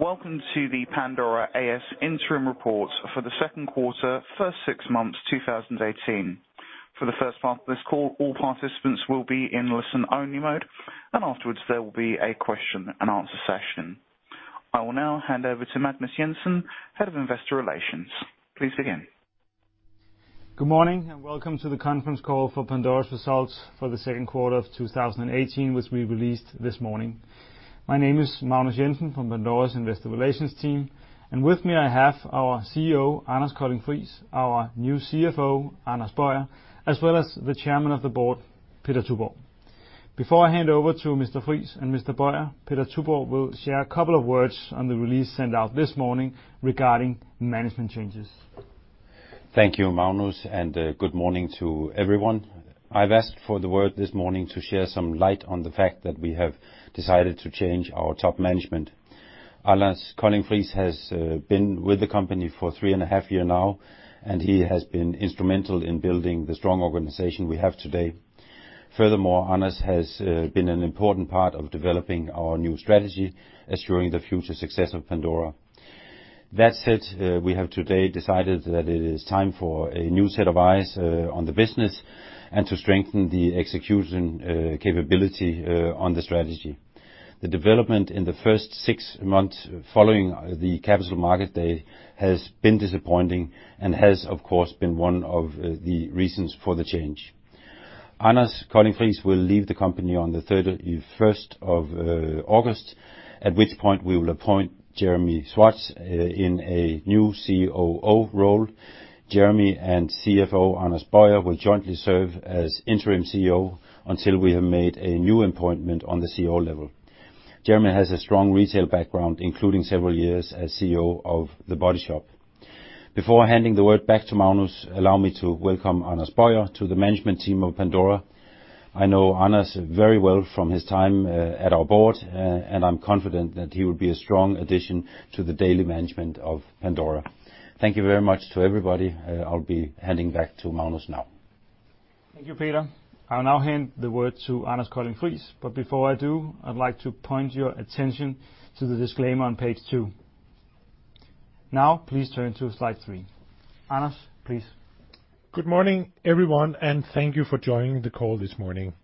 Welcome to the Pandora A/S interim report for the second quarter, first six months, 2018. For the first part of this call, all participants will be in listen-only mode, and afterwards, there will be a question-and-answer session. I will now hand over to Magnus Jensen, Head of Investor Relations. Please begin. Good morning, and welcome to the conference call for Pandora's results for the second quarter of 2018, which we released this morning. My name is Magnus Jensen from Pandora's Investor Relations team, and with me, I have our CEO, Anders Colding Friis, our new CFO, Anders Boyer, as well as the Chairman of the Board, Peder Tuborgh. Before I hand over to Mr. Friis and Mr. Boyer, Peder Tuborgh will share a couple of words on the release sent out this morning regarding management changes. Thank you, Magnus, and good morning to everyone. I've asked for the floor this morning to shed some light on the fact that we have decided to change our top management. Anders Colding Friis has been with the company for 3.5 years now, and he has been instrumental in building the strong organization we have today. Furthermore, Anders has been an important part of developing our new strategy, assuring the future success of Pandora. That said, we have today decided that it is time for a new set of eyes on the business, and to strengthen the execution capability on the strategy. The development in the first 6 months following the Capital Markets Day has been disappointing and has, of course, been one of the reasons for the change. Anders Colding Friis will leave the company on the thirty-first of August, at which point we will appoint Jeremy Schwartz in a new COO role. Jeremy and CFO Anders Boyer will jointly serve as interim CEO until we have made a new appointment on the CEO level. Jeremy has a strong retail background, including several years as CEO of The Body Shop. Before handing the word back to Magnus, allow me to welcome Anders Boyer to the management team of Pandora. I know Anders very well from his time at our board, and I'm confident that he will be a strong addition to the daily management of Pandora. Thank you very much to everybody. I'll be handing back to Magnus now. Thank you, Peder. I'll now hand the word to Anders Colding Friis, but before I do, I'd like to point your attention to the disclaimer on page two. Now, please turn to slide three. Anders, please. Good morning, everyone, and thank you for joining the call this morning.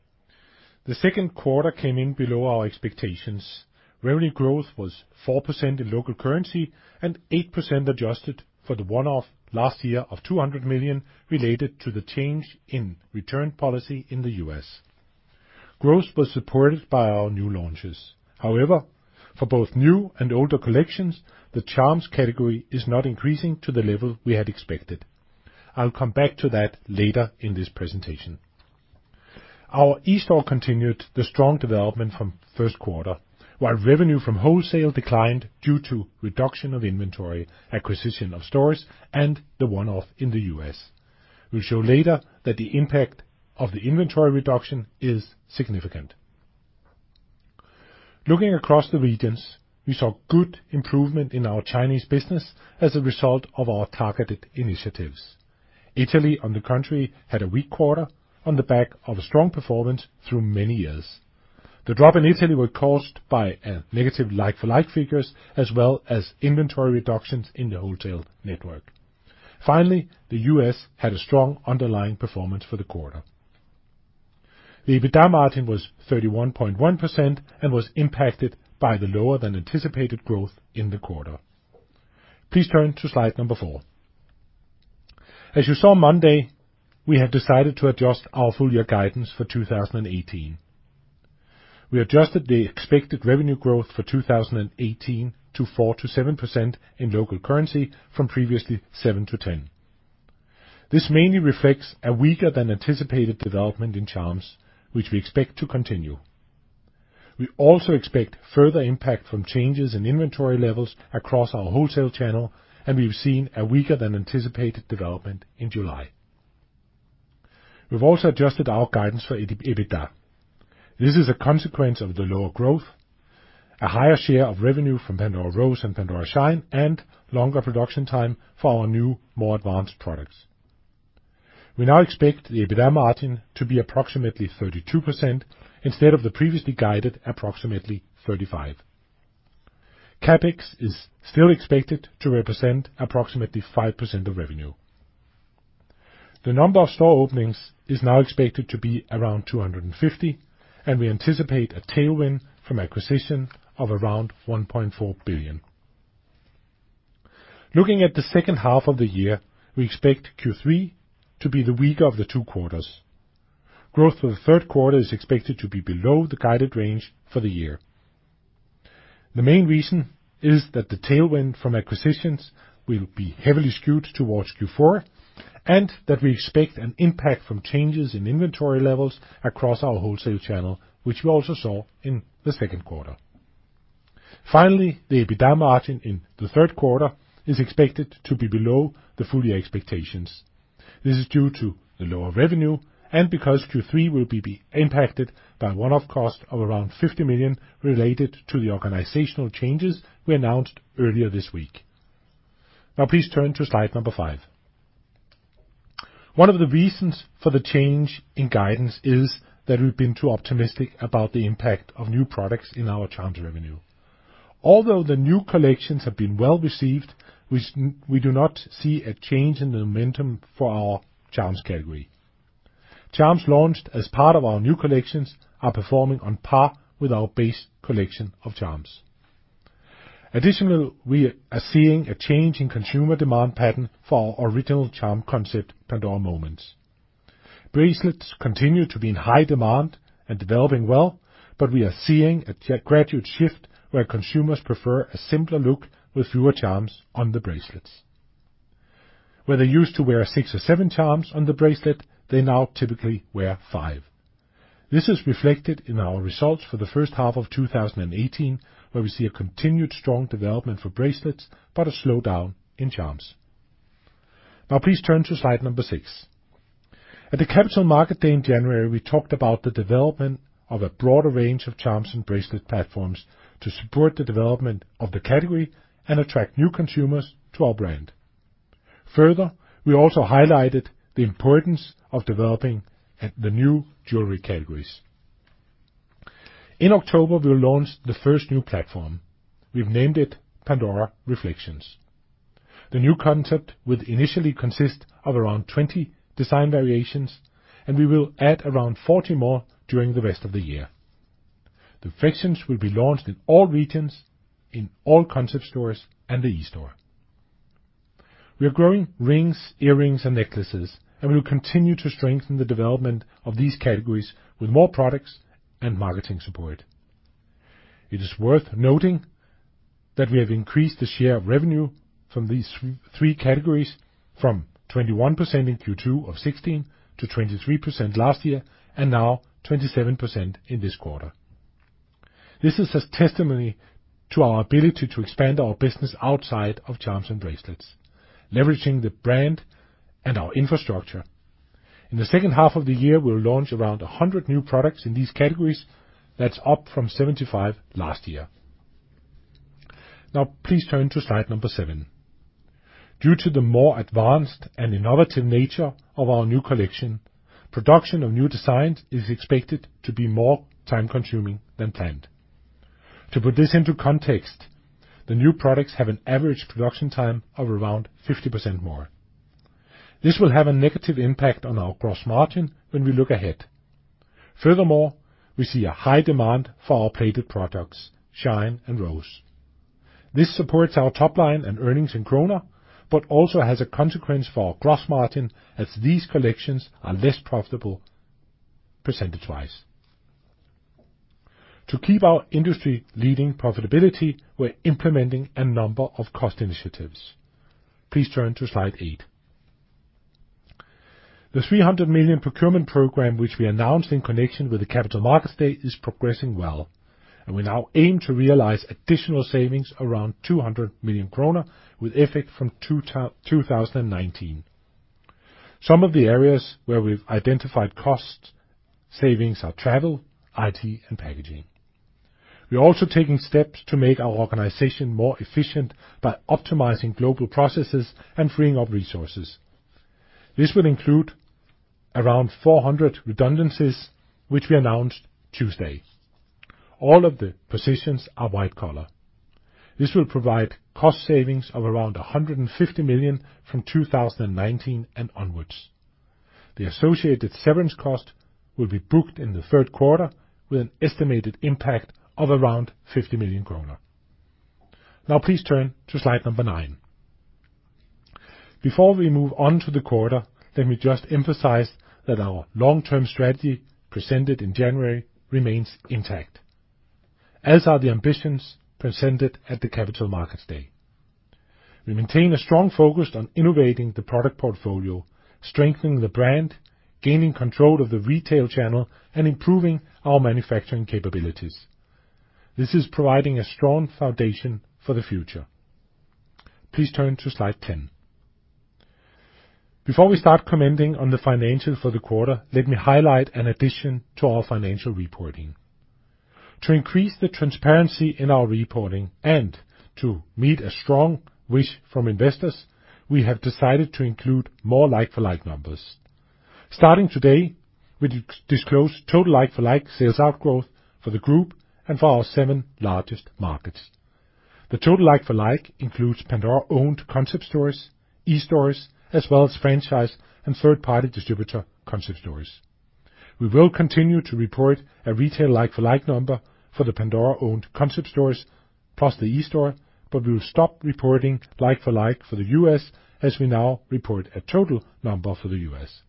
The second quarter came in below our expectations. Revenue growth was 4% in local currency and 8% adjusted for the one-off last year of 200 million related to the change in return policy in the US. Growth was supported by our new launches. However, for both new and older collections, the charms category is not increasing to the level we had expected. I'll come back to that later in this presentation. Our eSTORE continued the strong development from first quarter, while revenue from wholesale declined due to reduction of inventory, acquisition of stores, and the one-off in the US. We'll show later that the impact of the inventory reduction is significant. Looking across the regions, we saw good improvement in our Chinese business as a result of our targeted initiatives. Italy, the country, had a weak quarter on the back of a strong performance through many years. The drop in Italy were caused by a negative like-for-like figures, as well as inventory reductions in the wholesale network. Finally, the US had a strong underlying performance for the quarter. The EBITDA margin was 31.1% and was impacted by the lower than anticipated growth in the quarter. Please turn to slide 4. As you saw Monday, we have decided to adjust our full year guidance for 2018. We adjusted the expected revenue growth for 2018 to 4%-7% in local currency from previously 7%-10%. This mainly reflects a weaker than anticipated development in charms, which we expect to continue. We also expect further impact from changes in inventory levels across our wholesale channel, and we've seen a weaker than anticipated development in July. We've also adjusted our guidance for EBIT, EBITDA. This is a consequence of the lower growth, a higher share of revenue from Pandora Rose and Pandora Shine, and longer production time for our new, more advanced products. We now expect the EBITDA margin to be approximately 32% instead of the previously guided approximately 35%. CapEx is still expected to represent approximately 5% of revenue. The number of store openings is now expected to be around 250, and we anticipate a tailwind from acquisition of around 1.4 billion. Looking at the second half of the year, we expect Q3 to be the weaker of the two quarters. Growth for the third quarter is expected to be below the guided range for the year. The main reason is that the tailwind from acquisitions will be heavily skewed towards Q4, and that we expect an impact from changes in inventory levels across our wholesale channel, which we also saw in the second quarter. Finally, the EBITDA margin in the third quarter is expected to be below the full year expectations. This is due to the lower revenue and because Q3 will be impacted by a one-off cost of around 50 million related to the organizational changes we announced earlier this week. Now, please turn to slide number 5.... One of the reasons for the change in guidance is that we've been too optimistic about the impact of new products in our charms revenue. Although the new collections have been well received, we do not see a change in the momentum for our charms category. Charms launched as part of our new collections are performing on par with our base collection of charms. Additionally, we are seeing a change in consumer demand pattern for our original charm concept, Pandora Moments. Bracelets continue to be in high demand and developing well, but we are seeing a gradual shift where consumers prefer a simpler look with fewer charms on the bracelets. Where they used to wear 6 or 7 charms on the bracelet, they now typically wear 5. This is reflected in our results for the first half of 2018, where we see a continued strong development for bracelets, but a slowdown in charms. Now, please turn to slide number 6. At the Capital Markets Day in January, we talked about the development of a broader range of charms and bracelet platforms to support the development of the category and attract new consumers to our brand. Further, we also highlighted the importance of developing the new jewelry categories. In October, we'll launch the first new platform. We've named it Pandora Reflexions. The new concept will initially consist of around 20 design variations, and we will add around 40 more during the rest of the year. The Reflexions will be launched in all regions, in all concept stores and the eSTORE. We are growing rings, earrings, and necklaces, and we will continue to strengthen the development of these categories with more products and marketing support. It is worth noting that we have increased the share of revenue from these three categories from 21% in Q2 of 2016 to 23% last year, and now 27% in this quarter. This is a testimony to our ability to expand our business outside of charms and bracelets, leveraging the brand and our infrastructure. In the second half of the year, we'll launch around 100 new products in these categories. That's up from 75 last year. Now, please turn to slide number 7. Due to the more advanced and innovative nature of our new collection, production of new designs is expected to be more time-consuming than planned. To put this into context, the new products have an average production time of around 50% more. This will have a negative impact on our gross margin when we look ahead. Furthermore, we see a high demand for our plated products, Shine and Rose. This supports our top line and earnings in DKK, but also has a consequence for our gross margin, as these collections are less profitable percentage-wise. To keep our industry-leading profitability, we're implementing a number of cost initiatives. Please turn to slide 8. The 300 million procurement program, which we announced in connection with the Capital Markets Day, is progressing well, and we now aim to realize additional savings around 200 million kroner with effect from 2019. Some of the areas where we've identified cost savings are travel, IT, and packaging. We are also taking steps to make our organization more efficient by optimizing global processes and freeing up resources. This will include around 400 redundancies, which we announced Tuesday. All of the positions are white-collar. This will provide cost savings of around 150 million from 2019 and onwards. The associated severance cost will be booked in the third quarter with an estimated impact of around 50 million kroner. Now, please turn to slide 9. Before we move on to the quarter, let me just emphasize that our long-term strategy, presented in January, remains intact, as are the ambitions presented at the Capital Markets Day. We maintain a strong focus on innovating the product portfolio, strengthening the brand, gaining control of the retail channel, and improving our manufacturing capabilities. This is providing a strong foundation for the future. Please turn to slide 10. Before we start commenting on the financials for the quarter, let me highlight an addition to our financial reporting. To increase the transparency in our reporting and to meet a strong wish from investors, we have decided to include more like-for-like numbers. Starting today, we disclose total like-for-like sales-out growth for the group and for our seven largest markets. The total like-for-like includes Pandora-owned concept stores, eSTORES, as well as franchise and third-party distributor concept stores. We will continue to report a retail like-for-like number for the Pandora-owned concept stores, plus the eSTORE, but we will stop reporting like-for-like for the US, as we now report a total number for the US.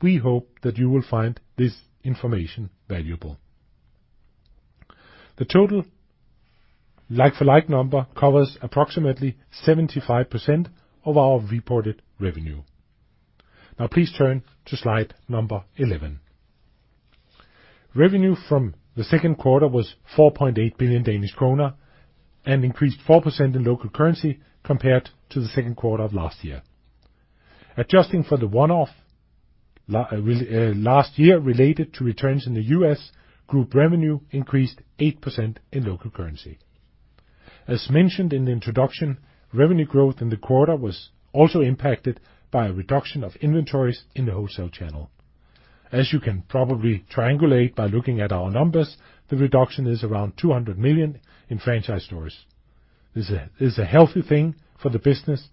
We hope that you will find this information valuable. The total like-for-like number covers approximately 75% of our reported revenue. Now, please turn to slide 11. Revenue from the second quarter was 4.8 billion Danish kroner, and increased 4% in local currency compared to the second quarter of last year. Adjusting for the one-off last year related to returns in the US, group revenue increased 8% in local currency. As mentioned in the introduction, revenue growth in the quarter was also impacted by a reduction of inventories in the wholesale channel. As you can probably triangulate by looking at our numbers, the reduction is around 200 million in franchise stores. This is, this is a healthy thing for the business,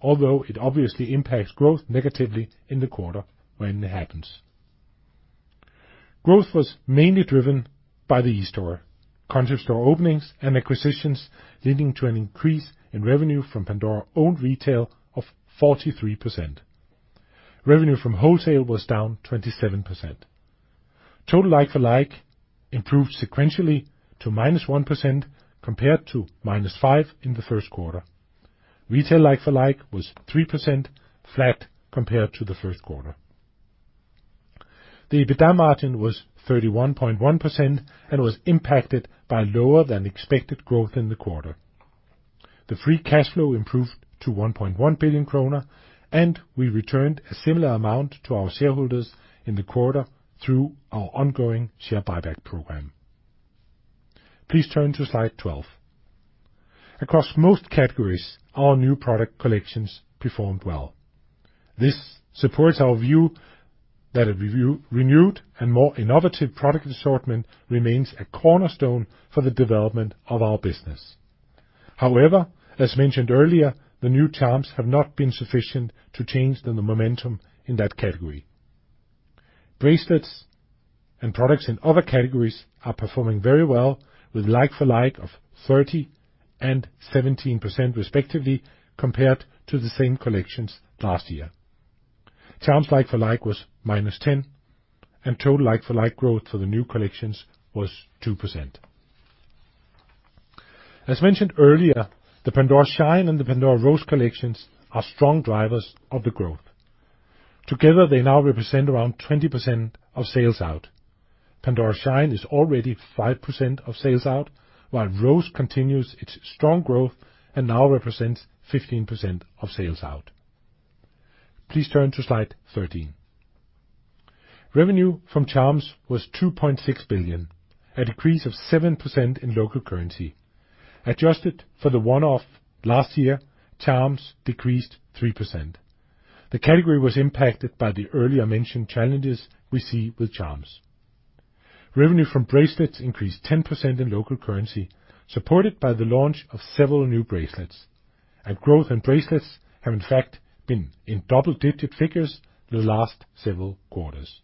although it obviously impacts growth negatively in the quarter when it happens. Growth was mainly driven by the eSTORE, concept store openings and acquisitions, leading to an increase in revenue from Pandora owned retail of 43%. Revenue from wholesale was down 27%. Total like-for-like improved sequentially to -1% compared to -5% in the first quarter. Retail like-for-like was 3%, flat compared to the first quarter. The EBITDA margin was 31.1% and was impacted by lower than expected growth in the quarter. The free cash flow improved to 1.1 billion kroner, and we returned a similar amount to our shareholders in the quarter through our ongoing share buyback program. Please turn to slide 12. Across most categories, our new product collections performed well. This supports our view that a renewed and more innovative product assortment remains a cornerstone for the development of our business. However, as mentioned earlier, the new charms have not been sufficient to change the momentum in that category. Bracelets and products in other categories are performing very well, with like-for-like of 30% and 17%, respectively, compared to the same collections last year. Charms like-for-like was -10%, and total like-for-like growth for the new collections was 2%. As mentioned earlier, the Pandora Shine and the Pandora Rose collections are strong drivers of the growth. Together, they now represent around 20% of sales-out. Pandora Shine is already 5% of sales-out, while Rose continues its strong growth and now represents 15% of sales-out. Please turn to slide 13. Revenue from Charms was 2.6 billion, a decrease of 7% in local currency. Adjusted for the one-off last year, Charms decreased 3%. The category was impacted by the earlier mentioned challenges we see with Charms. Revenue from Bracelets increased 10% in local currency, supported by the launch of several new Bracelets. Growth in Bracelets have, in fact, been in double-digit figures the last several quarters.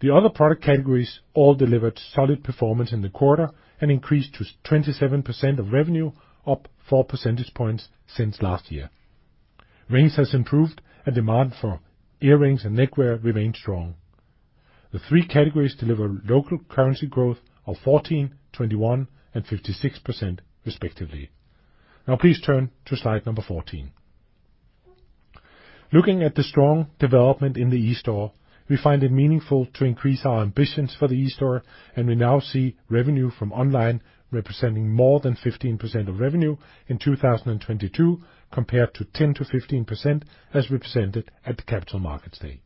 The other product categories all delivered solid performance in the quarter and increased to 27% of revenue, up 4 percentage points since last year. Rings has improved, and demand for earrings and neckwear remains strong. The three categories deliver local currency growth of 14, 21, and 56% respectively. Now please turn to slide number 14. Looking at the strong development in the eSTOREore, we find it meaningful to increase our ambitions for the eSTORE, and we now see revenue from online representing more than 15% of revenue in 2022, compared to 10%-15% as represented at the Capital Markets Day.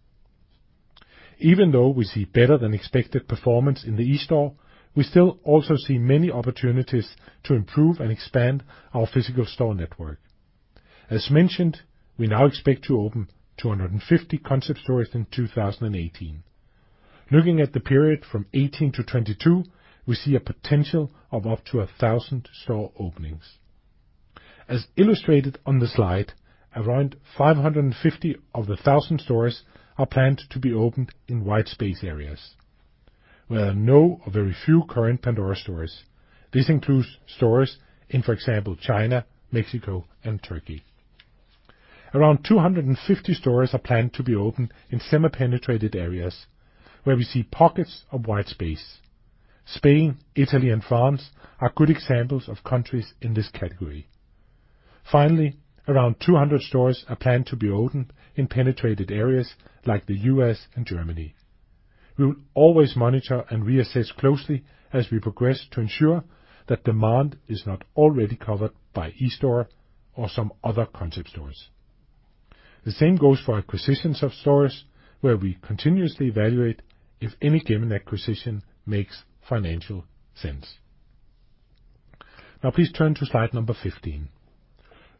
Even though we see better than expected performance in the eSTORE, we still also see many opportunities to improve and expand our physical store network. As mentioned, we now expect to open 250 concept stores in 2018. Looking at the period from 2018 to 2022, we see a potential of up to 1,000 store openings. As illustrated on the slide, around 550 of the 1,000 stores are planned to be opened in white space areas, where there are no or very few current Pandora stores. This includes stores in, for example, China, Mexico, and Turkey. Around 250 stores are planned to be opened in semi-penetrated areas, where we see pockets of white space. Spain, Italy, and France are good examples of countries in this category. Finally, around 200 stores are planned to be opened in penetrated areas like the US and Germany. We will always monitor and reassess closely as we progress to ensure that demand is not already covered by eSTORE or some other concept stores. The same goes for acquisitions of stores, where we continuously evaluate if any given acquisition makes financial sense. Now, please turn to slide number 15.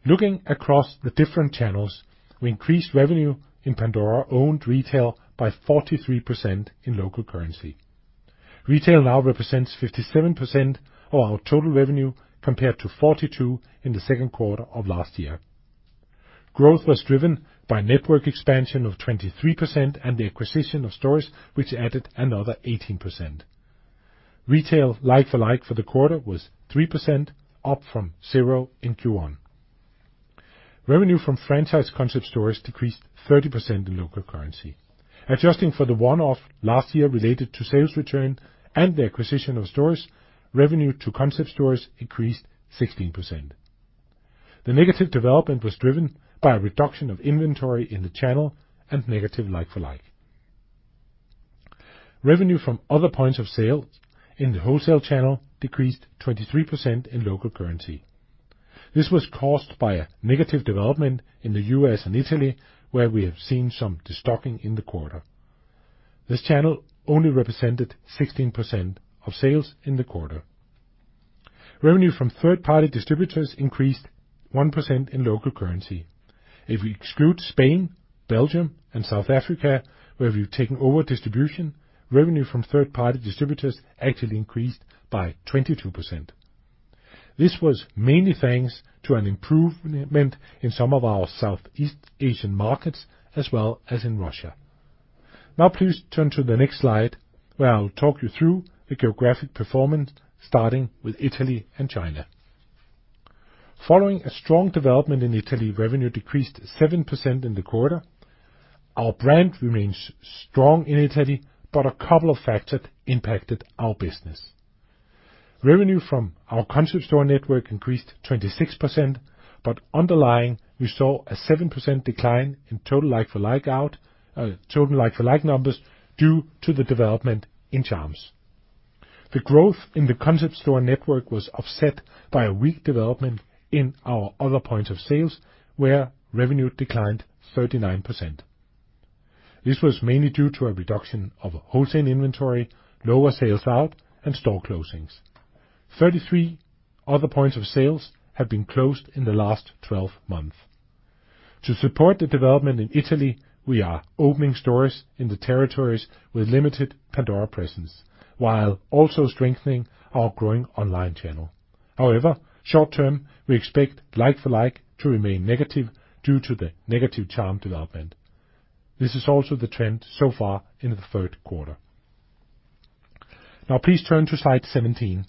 Looking across the different channels, we increased revenue in Pandora-owned retail by 43% in local currency. Retail now represents 57% of our total revenue, compared to 42 in the second quarter of last year. Growth was driven by network expansion of 23% and the acquisition of stores, which added another 18%. Retail like-for-like for the quarter was 3%, up from 0 in Q1. Revenue from franchise concept stores decreased 30% in local currency. Adjusting for the one-off last year related to sales return and the acquisition of stores, revenue to concept stores increased 16%. The negative development was driven by a reduction of inventory in the channel and negative like-for-like. Revenue from other points of sale in the wholesale channel decreased 23% in local currency. This was caused by a negative development in the U.S. and Italy, where we have seen some destocking in the quarter. This channel only represented 16% of sales in the quarter. Revenue from third-party distributors increased 1% in local currency. If we exclude Spain, Belgium, and South Africa, where we've taken over distribution, revenue from third-party distributors actually increased by 22%. This was mainly thanks to an improvement in some of our Southeast Asian markets, as well as in Russia. Now please turn to the next slide, where I'll talk you through the geographic performance, starting with Italy and China. Following a strong development in Italy, revenue decreased 7% in the quarter. Our brand remains strong in Italy, but a couple of factors impacted our business. Revenue from our concept store network increased 26%, but underlying, we saw a 7% decline in total like-for-like out, total like-for-like numbers, due to the development in charms. The growth in the concept store network was offset by a weak development in our other points of sales, where revenue declined 39%. This was mainly due to a reduction of wholesale inventory, lower sales-out, and store closings. 33 other points of sales have been closed in the last 12 months. To support the development in Italy, we are opening stores in the territories with limited Pandora presence, while also strengthening our growing online channel. However, short-term, we expect like-for-like to remain negative due to the negative charm development. This is also the trend so far in the third quarter. Now, please turn to slide 17.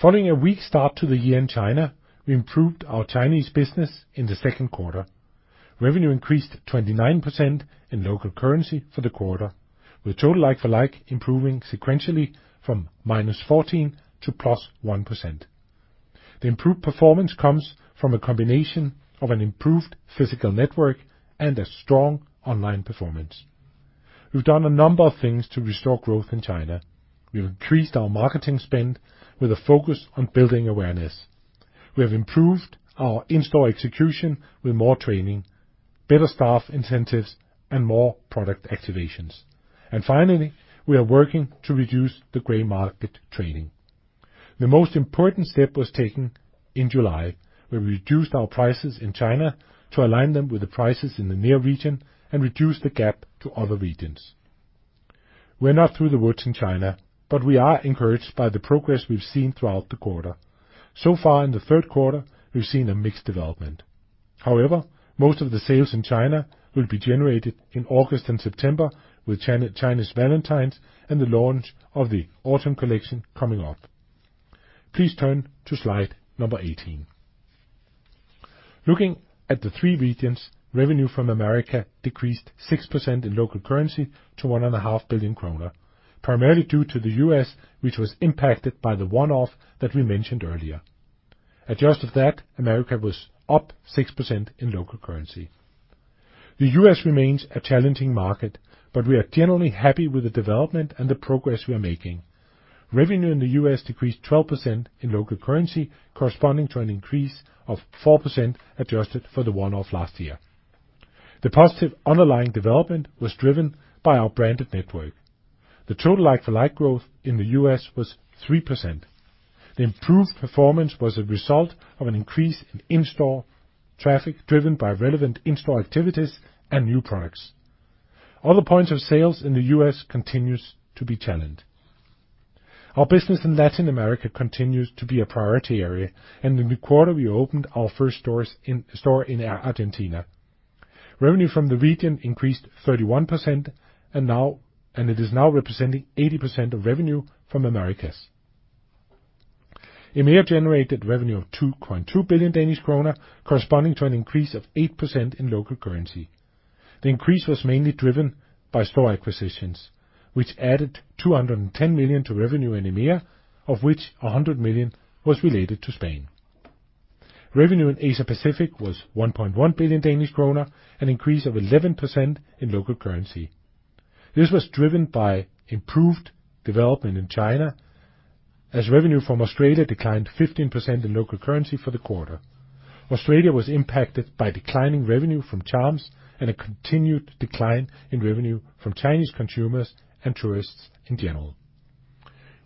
Following a weak start to the year in China, we improved our Chinese business in the second quarter. Revenue increased 29% in local currency for the quarter, with total like-for-like improving sequentially from -14% to +1%. The improved performance comes from a combination of an improved physical network and a strong online performance. We've done a number of things to restore growth in China. We've increased our marketing spend with a focus on building awareness. We have improved our in-store execution with more training, better staff incentives, and more product activations. Finally, we are working to reduce the gray market trading. The most important step was taken in July, where we reduced our prices in China to align them with the prices in the near region and reduce the gap to other regions. We're not through the woods in China, but we are encouraged by the progress we've seen throughout the quarter. So far in the third quarter, we've seen a mixed development. However, most of the sales in China will be generated in August and September, with China, Chinese Valentine's and the launch of the autumn collection coming up. Please turn to slide number 18. Looking at the three regions, revenue from America decreased 6% in local currency to 1.5 billion kroner, primarily due to the U.S., which was impacted by the one-off that we mentioned earlier. Adjusted for that, America was up 6% in local currency. The U.S. remains a challenging market, but we are generally happy with the development and the progress we are making. Revenue in the U.S. decreased 12% in local currency, corresponding to an increase of 4% adjusted for the one-off last year. The positive underlying development was driven by our branded network. The total like-for-like growth in the U.S. was 3%. The improved performance was a result of an increase in in-store traffic, driven by relevant in-store activities and new products. Other points of sale in the U.S. continues to be challenged. Our business in Latin America continues to be a priority area, and in the quarter, we opened our first store in Argentina. Revenue from the region increased 31%, and it is now representing 80% of revenue from Americas. EMEA generated revenue of 2.2 billion Danish kroner, corresponding to an increase of 8% in local currency. The increase was mainly driven by store acquisitions, which added 210 million to revenue in EMEA, of which 100 million was related to Spain. Revenue in Asia Pacific was 1.1 billion Danish krone, an increase of 11% in local currency. This was driven by improved development in China, as revenue from Australia declined 15% in local currency for the quarter. Australia was impacted by declining revenue from charms and a continued decline in revenue from Chinese consumers and tourists in general.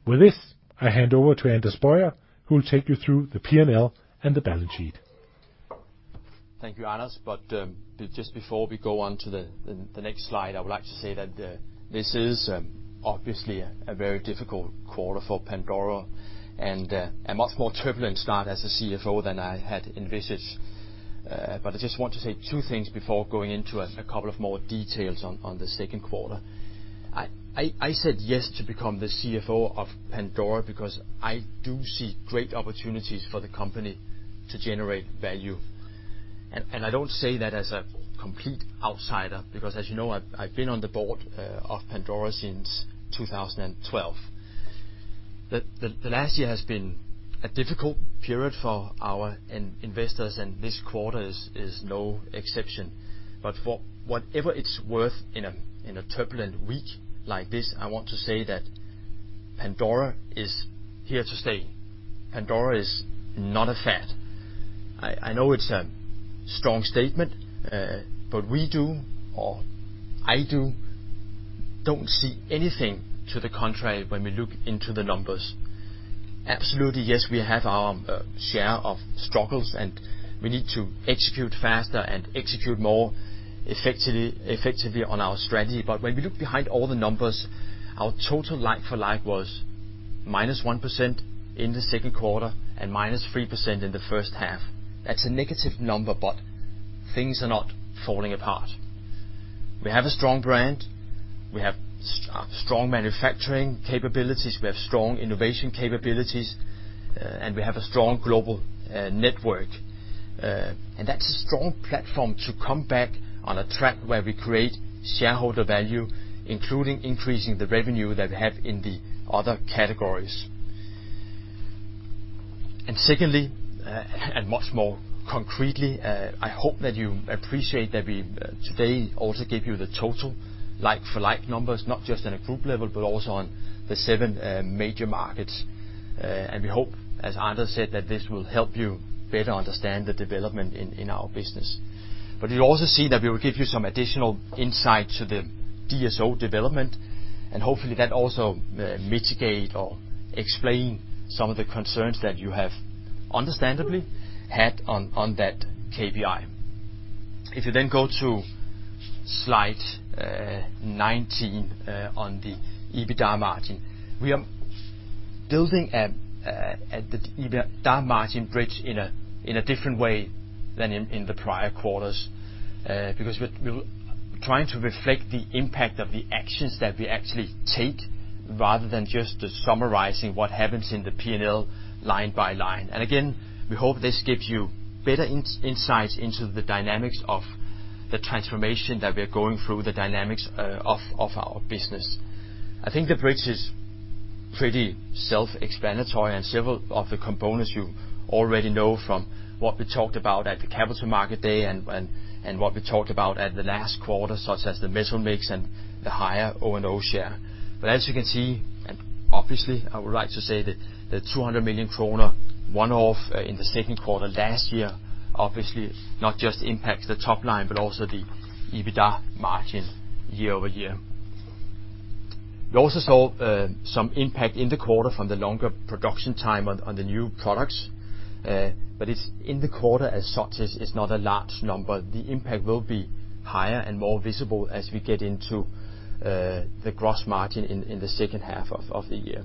With this, I hand over to Anders Boyer, who will take you through the P&L and the balance sheet. Thank you, Anders, but just before we go on to the next slide, I would like to say that this is obviously a very difficult quarter for Pandora and a much more turbulent start as a CFO than I had envisaged. But I just want to say two things before going into a couple of more details on the second quarter. I said yes to become the CFO of Pandora because I do see great opportunities for the company to generate value, and I don't say that as a complete outsider, because as you know, I've been on the board of Pandora since 2012. The last year has been a difficult period for our investors, and this quarter is no exception. But for whatever it's worth, in a turbulent week like this, I want to say that Pandora is here to stay. Pandora is not a fad. I know it's a strong statement, but we do, or I do, don't see anything to the contrary when we look into the numbers. Absolutely, yes, we have our share of struggles, and we need to execute faster and execute more effectively on our strategy. But when we look behind all the numbers, our total like-for-like was minus 1% in the second quarter and minus 3% in the first half. That's a negative number, but things are not falling apart. We have a strong brand, we have strong manufacturing capabilities, we have strong innovation capabilities, and we have a strong global network. And that's a strong platform to come back on a track where we create shareholder value, including increasing the revenue that we have in the other categories. And secondly, and much more concretely, I hope that you appreciate that we today also give you the total like-for-like numbers, not just on a group level, but also on the 7 major markets. And we hope, as Anders said, that this will help you better understand the development in, in our business. But you'll also see that we will give you some additional insight to the DSO development, and hopefully, that also mitigate or explain some of the concerns that you have understandably had on, on that KPI. If you then go to slide 19, on the EBITDA margin, we are building at the EBITDA margin bridge in a different way than in the prior quarters. Because we're trying to reflect the impact of the actions that we actually take, rather than just summarizing what happens in the P&L line by line. And again, we hope this gives you better insights into the dynamics of the transformation that we're going through, the dynamics of our business. I think the bridge is pretty self-explanatory, and several of the components you already know from what we talked about at the Capital Markets Day and what we talked about at the last quarter, such as the metal mix and the higher O&O share. But as you can see, and obviously, I would like to say that the 200 million kroner one-off in the second quarter last year, obviously, not just impacts the top line, but also the EBITDA margin year-over-year. We also saw some impact in the quarter from the longer production time on the new products, but it's in the quarter as such, it's not a large number. The impact will be higher and more visible as we get into the gross margin in the second half of the year.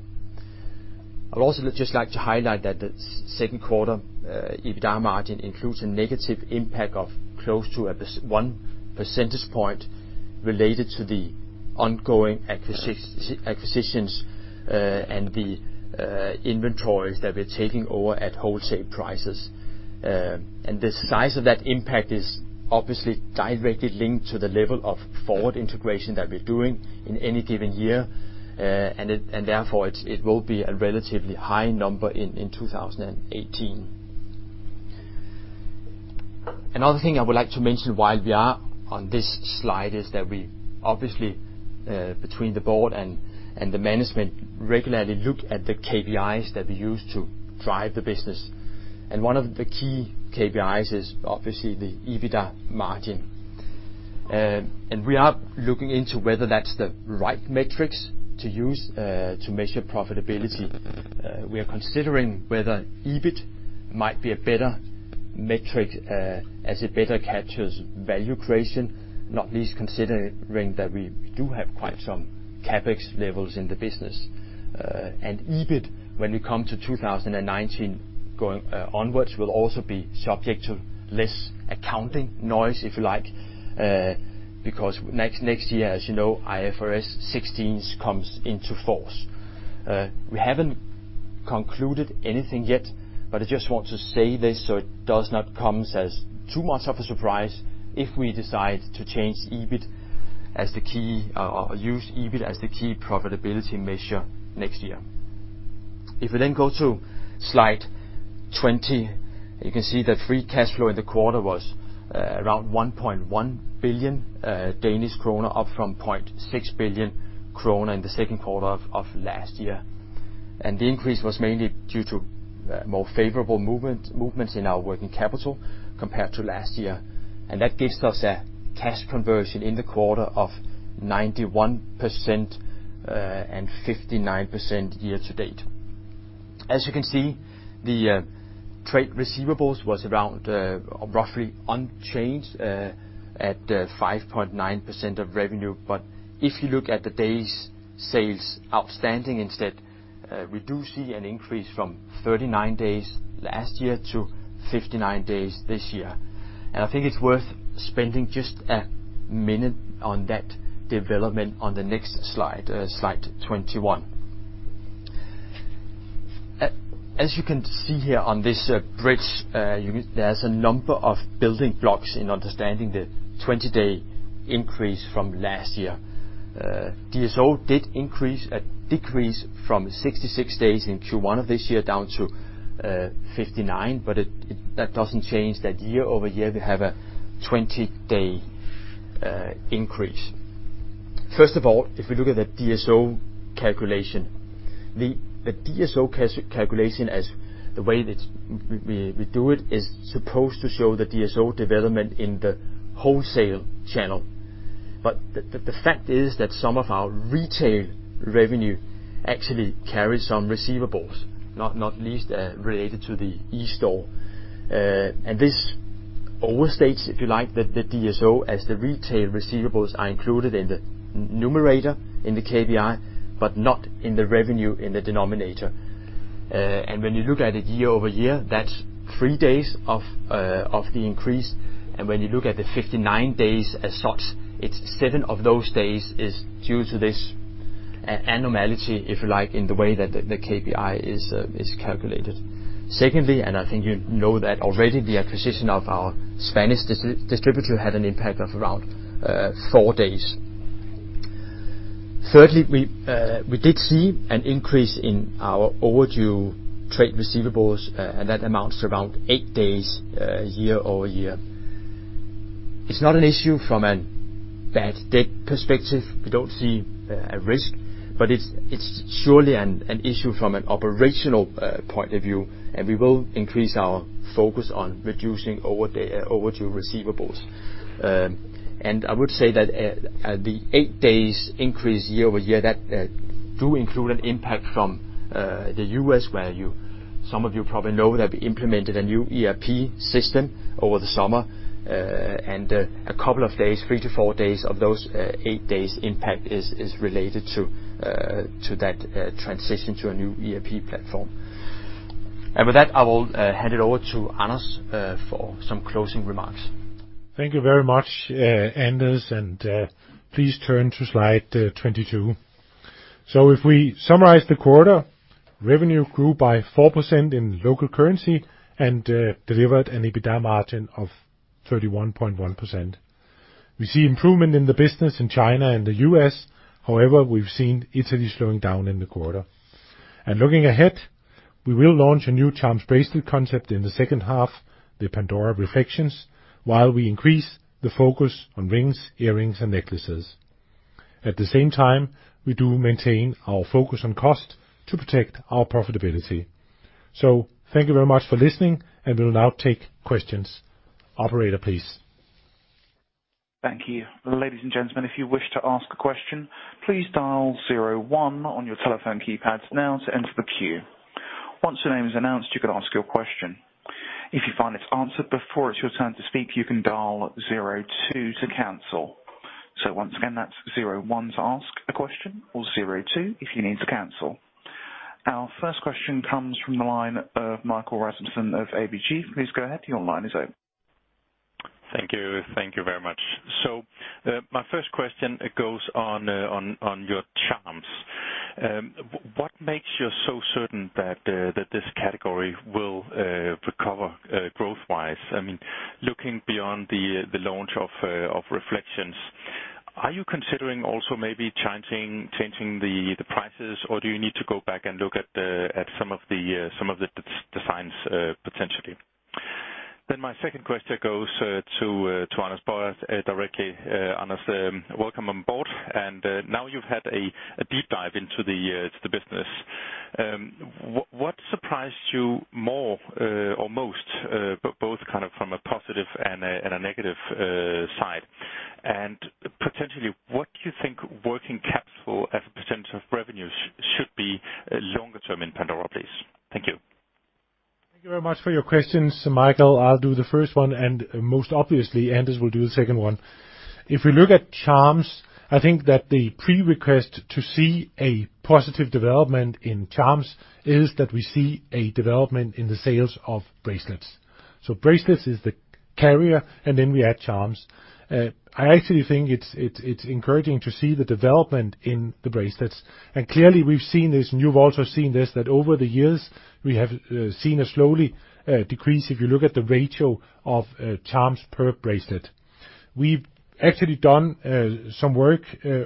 I'd also just like to highlight that the second quarter EBITDA margin includes a negative impact of close to one percentage point related to the ongoing acquisitions, and the inventories that we're taking over at wholesale prices. And the size of that impact is obviously directly linked to the level of forward integration that we're doing in any given year, and therefore, it will be a relatively high number in 2018. Another thing I would like to mention while we are on this slide is that we obviously, between the board and the management, regularly look at the KPIs that we use to drive the business. And one of the key KPIs is obviously the EBITDA margin. And we are looking into whether that's the right metrics to use to measure profitability. We are considering whether EBIT might be a better metric, as it better captures value creation, not least considering that we do have quite some CapEx levels in the business. And EBIT, when we come to 2019, going onwards, will also be subject to less accounting noise, if you like, because next, next year, as you know, IFRS 16 comes into force. We haven't concluded anything yet, but I just want to say this, so it does not come as too much of a surprise if we decide to change EBIT as the key or, or use EBIT as the key profitability measure next year. If we then go to slide 20, you can see that free cash flow in the quarter was around 1.1 billion Danish kroner, up from 0.6 billion kroner in the second quarter of, of last year. And the increase was mainly due to more favorable movement, movements in our working capital compared to last year. And that gives us a cash conversion in the quarter of 91%, and 59% year to date. As you can see, the trade receivables was around roughly unchanged at 5.9% of revenue. But if you look at the Days Sales Outstanding instead, we do see an increase from 39 days last year to 59 days this year. And I think it's worth spending just a minute on that development on the next slide, slide 21. As you can see here on this bridge, there's a number of building blocks in understanding the 20-day increase from last year. DSO did increase, decrease from 66 days in Q1 of this year down to 59, but it, that doesn't change that year-over-year, we have a 20-day increase. First of all, if we look at the DSO calculation, the DSO calculation as the way that we do it, is supposed to show the DSO development in the wholesale channel. But the fact is that some of our retail revenue actually carries some receivables, not least related to the eSTORES. And this overstates, if you like, the DSO as the retail receivables are included in the numerator in the KPI, but not in the revenue in the denominator. And when you look at it year-over-year, that's 3 days of the increase. When you look at the 59 days as such, it's seven of those days is due to this anomaly, if you like, in the way that the, the KPI is, is calculated. Secondly, and I think you know that already, the acquisition of our Spanish distributor had an impact of around, four days. Thirdly, we, we did see an increase in our overdue trade receivables, and that amounts to around eight days, year-over-year. It's not an issue from a bad debt perspective. We don't see, a risk, but it's, it's surely an, an issue from an operational, point of view, and we will increase our focus on reducing overdue receivables. I would say that the 8 days increase year-over-year that do include an impact from the U.S., where you, some of you probably know that we implemented a new ERP system over the summer. A couple of days, 3-4 days of those 8 days impact is related to that transition to a new ERP platform. And with that, I will hand it over to Anders for some closing remarks. Thank you very much, Anders, and please turn to slide 22. So if we summarize the quarter, revenue grew by 4% in local currency and delivered an EBITDA margin of 31.1%. We see improvement in the business in China and the U.S., however, we've seen Italy slowing down in the quarter. And looking ahead, we will launch a new charms bracelet concept in the second half, the Pandora Reflexions, while we increase the focus on rings, earrings, and necklaces. At the same time, we do maintain our focus on cost to protect our profitability. So thank you very much for listening, and we'll now take questions. Operator, please. Thank you. Ladies and gentlemen, if you wish to ask a question, please dial zero one on your telephone keypads now to enter the queue. Once your name is announced, you can ask your question. If you find it's answered before it's your turn to speak, you can dial zero two to cancel. So once again, that's zero one to ask a question or zero two if you need to cancel. Our first question comes from the line of Michael Rasmussen of ABG. Please go ahead, your line is open. Thank you. Thank you very much. So, my first question goes on, on your charms. What makes you so certain that this category will recover growth-wise? I mean, looking beyond the launch of Reflexions, are you considering also maybe changing the prices, or do you need to go back and look at some of the redesigns potentially? Then my second question goes to Anders Boyer directly. Anders, welcome on board, and now you've had a deep dive into the business. What surprised you more or most, both kind of from a positive and a negative side? Potentially, what do you think working capital as a percentage of revenues should be longer term in Pandora, please? Thank you. Thank you very much for your questions, Michael. I'll do the first one, and most obviously, Anders will do the second one. If we look at charms, I think that the pre-request to see a positive development in charms is that we see a development in the sales of bracelets. So bracelets is the carrier, and then we add charms. I actually think it's encouraging to see the development in the bracelets. And clearly, we've seen this, and you've also seen this, that over the years, we have seen a slowly decrease if you look at the ratio of charms per bracelet. We've actually done some work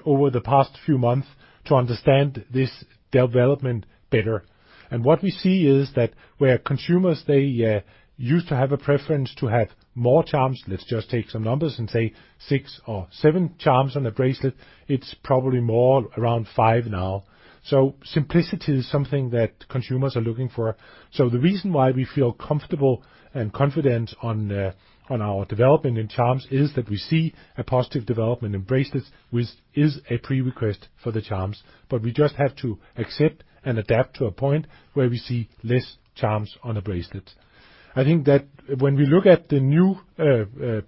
over the past few months to understand this development better. What we see is that where consumers, they, used to have a preference to have more charms, let's just take some numbers and say six or seven charms on a bracelet, it's probably more around five now. So simplicity is something that consumers are looking for. So the reason why we feel comfortable and confident on our development in charms is that we see a positive development in bracelets, which is a prerequisite for the charms. But we just have to accept and adapt to a point where we see less charms on a bracelet. I think that when we look at the new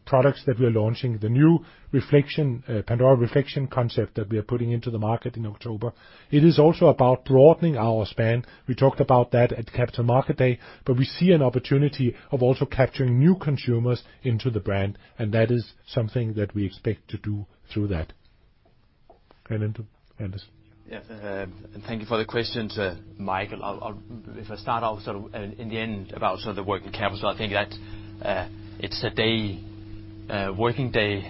products that we're launching, the new Pandora Reflexions concept that we are putting into the market in October, it is also about broadening our span. We talked about that at Capital Markets Day, but we see an opportunity of also capturing new consumers into the brand, and that is something that we expect to do through that. And then to Anders. Yeah, and thank you for the question to Michael. I'll start off sort of in the end about sort of the working capital. I think that it's a working day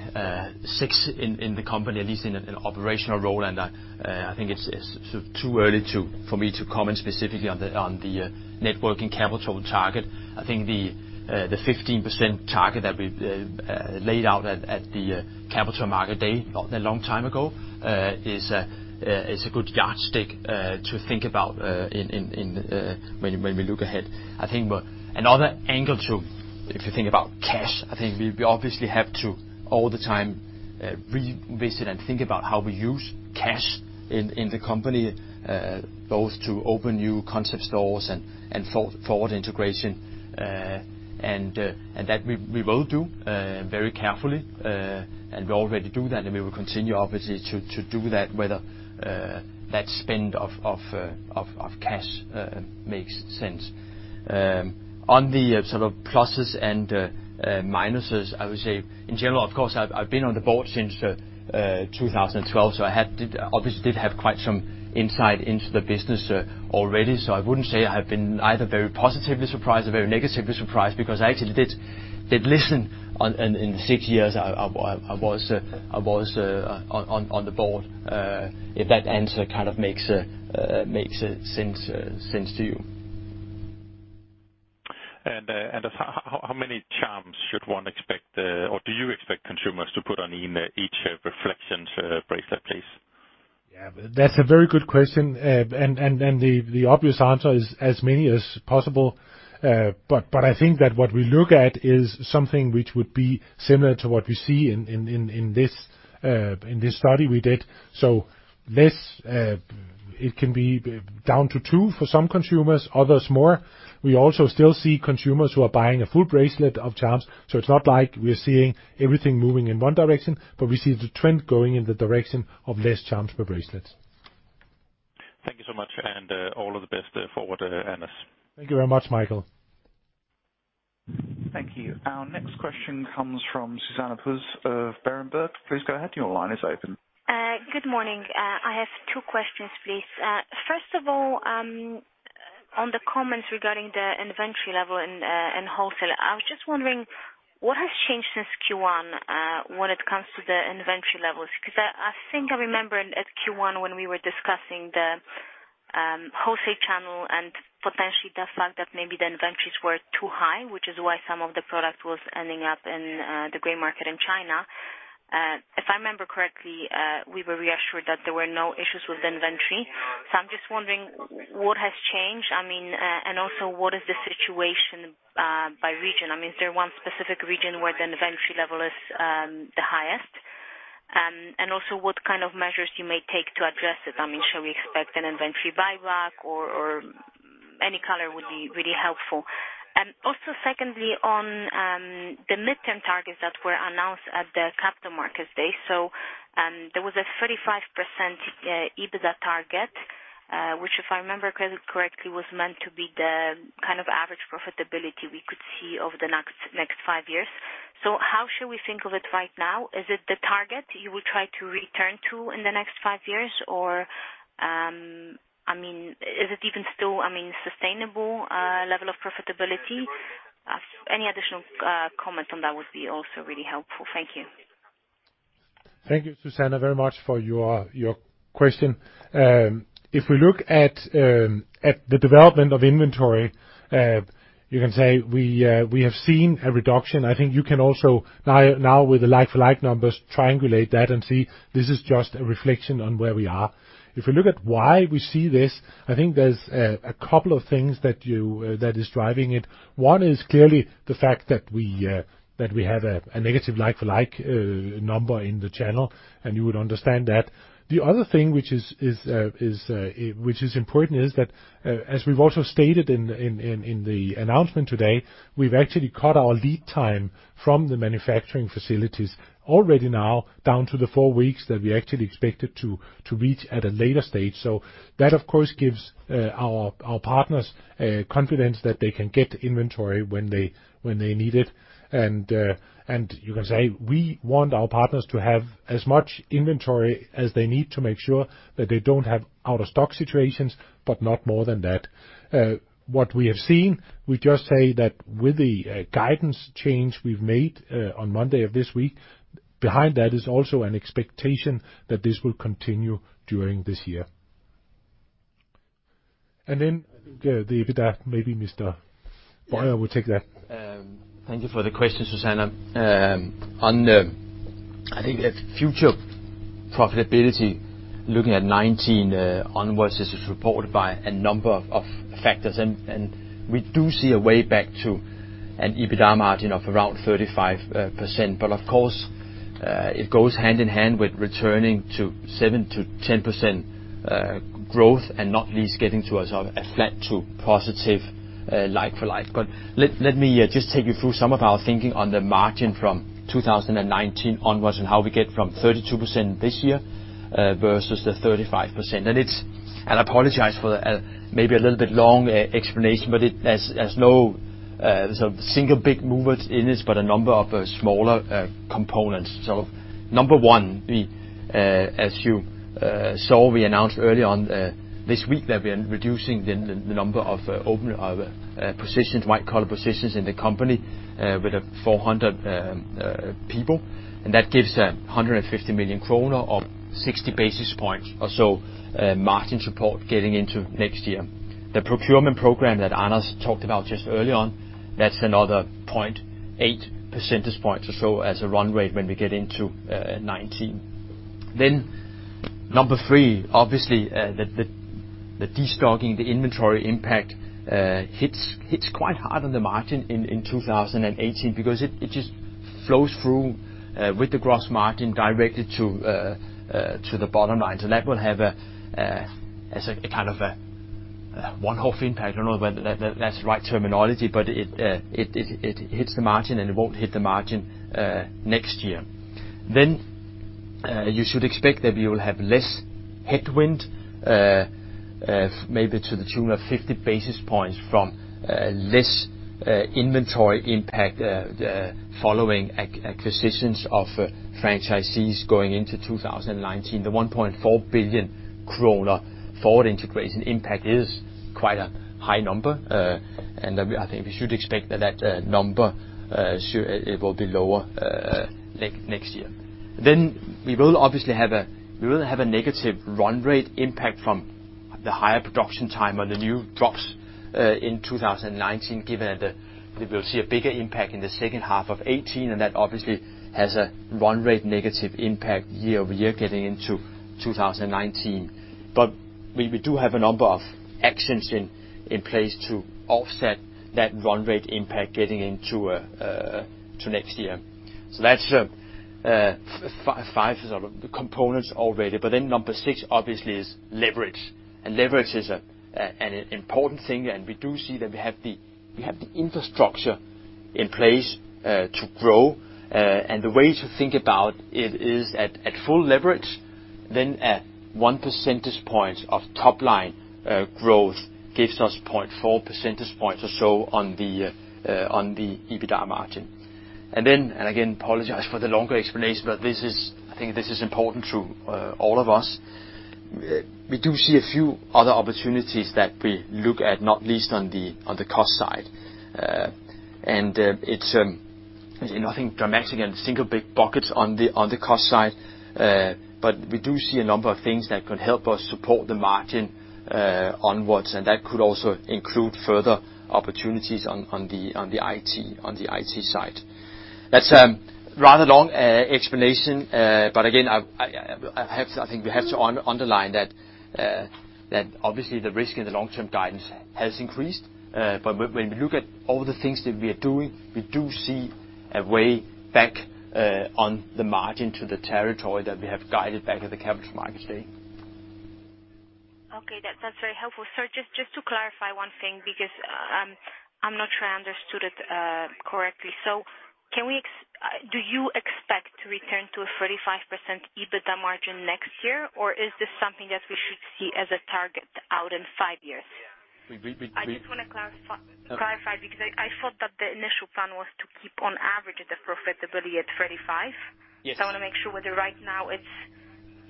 6 in the company, at least in an operational role, and I think it's sort of too early for me to comment specifically on the net working capital target. I think the 15% target that we laid out at the Capital Markets Day, not a long time ago, is a good yardstick to think about when we look ahead. I think another angle to, if you think about cash, I think we obviously have to all the time revisit and think about how we use cash in the company, both to open new concept stores and forward integration. And that we will do very carefully, and we already do that, and we will continue obviously to do that, whether that spend of cash makes sense. On the sort of pluses and minuses, I would say in general, of course, I've been on the board since 2012, so I had to... Obviously did have quite some insight into the business already. So I wouldn't say I have been either very positively surprised or very negatively surprised, because I actually did listen in the six years I was on the board. If that answer kind of makes sense to you. And how many charms should one expect, or do you expect consumers to put on in each Reflexions bracelet, please? Yeah, that's a very good question. The obvious answer is as many as possible. But I think that what we look at is something which would be similar to what we see in this study we did. So less, it can be down to two for some consumers, others, more. We also still see consumers who are buying a full bracelet of charms, so it's not like we're seeing everything moving in one direction, but we see the trend going in the direction of less charms per bracelets. Thank you so much, and, all of the best for what, Anders. Thank you very much, Michael. Thank you. Our next question comes from Zuzanna Pusz of Berenberg. Please go ahead. Your line is open. Good morning. I have two questions, please. First of all, on the comments regarding the inventory level and, and wholesale, I was just wondering, what has changed since Q1, when it comes to the inventory levels? Because I think I remember at Q1, when we were discussing the wholesale channel and potentially the fact that maybe the inventories were too high, which is why some of the product was ending up in the gray market in China. If I remember correctly, we were reassured that there were no issues with inventory. So I'm just wondering, what has changed? I mean, and also what is the situation by region? I mean, is there one specific region where the inventory level is the highest? And also what kind of measures you may take to address it? I mean, shall we expect an inventory buyback or any color would be really helpful. And also, secondly, on the midterm targets that were announced at the Capital Markets Day, so there was a 35% EBITDA target, which, if I remember correctly, was meant to be the kind of average profitability we could see over the next five years. So how should we think of it right now? Is it the target you will try to return to in the next five years, or, I mean, is it even still, I mean, sustainable level of profitability? So any additional comments on that would be also really helpful. Thank you. Thank you, Zuzanna, very much for your question. If we look at the development of inventory, you can say we have seen a reduction. I think you can also now with the like-for-like numbers, triangulate that and see this is just a reflection on where we are. If you look at why we see this, I think there's a couple of things that is driving it. One is clearly the fact that we have a negative like-for-like number in the channel, and you would understand that. The other thing, which is important, is that, as we've also stated in the announcement today, we've actually cut our lead time from the manufacturing facilities already now down to the four weeks that we actually expected to reach at a later stage. So that, of course, gives our partners confidence that they can get inventory when they need it. And you can say, we want our partners to have as much inventory as they need to make sure that they don't have out-of-stock situations, but not more than that. What we have seen, we just say that with the guidance change we've made on Monday of this week, behind that is also an expectation that this will continue during this year. And then, the EBITDA, maybe Mr. Boyer will take that. Thank you for the question, Zuzanna. On the, I think the future profitability, looking at 2019 onwards, this is reported by a number of factors, and we do see a way back to an EBITDA margin of around 35%. But of course, it goes hand in hand with returning to 7%-10% growth, and not least, getting to a sort of a flat to positive like-for-like. But let me just take you through some of our thinking on the margin from 2019 onwards, and how we get from 32% this year versus the 35%. And it's... I apologize for the, maybe a little bit long, explanation, but it, there's, there's no, sort of single big movers in this, but a number of, smaller, components. So number one, we, as you, saw, we announced early on, this week that we're reducing the, the, the number of, open, positions, white-collar positions in the company, with 400 people, and that gives 150 million kroner or 60 basis points or so, margin support getting into next year. The procurement program that Anders talked about just earlier on, that's another 0.8 percentage points or so as a run rate when we get into, 2019. Then, number three, obviously, the destocking, the inventory impact, hits quite hard on the margin in 2018, because it just flows through with the gross margin directly to the bottom line. So that will have a kind of a one-off impact. I don't know whether that's the right terminology, but it hits the margin, and it won't hit the margin next year. Then, you should expect that we will have less headwind, maybe to the tune of 50 basis points from less inventory impact following acquisitions of franchisees going into 2019. The 1.4 billion kroner forward integration impact is quite a high number, and I think we should expect that number. Sure, it will be lower next year. Then we will obviously have a negative run rate impact from the higher production time on the new drops in 2019, given that we will see a bigger impact in the second half of 2018, and that obviously has a run rate negative impact year-over-year, getting into 2019. But we do have a number of actions in place to offset that run rate impact getting into next year. So that's five sort of components already. But then number six obviously is leverage, and leverage is a, an important thing, and we do see that we have the, we have the infrastructure in place, to grow. And the way to think about it is at, at full leverage, then at 1 percentage point of top line, growth gives us 0.4 percentage points or so on the, on the EBITDA margin. And then, and again, apologize for the longer explanation, but this is- I think this is important to, all of us. We do see a few other opportunities that we look at, not least on the, on the cost side. It's nothing dramatic and single big buckets on the cost side, but we do see a number of things that could help us support the margin onward, and that could also include further opportunities on the IT side. That's a rather long explanation, but again, I think we have to underline that obviously the risk in the long-term guidance has increased. But when we look at all the things that we are doing, we do see a way back on the margin to the territory that we have guided back at the Capital Markets Day. Okay, that's, that's very helpful. Sir, just, just to clarify one thing, because I'm not sure I understood it correctly. So can we expect to return to a 35% EBITDA margin next year, or is this something that we should see as a target out in five years? We, we, we- I just want to clarify, because I thought that the initial plan was to keep on average the profitability at 35. Yes. I want to make sure whether right now it's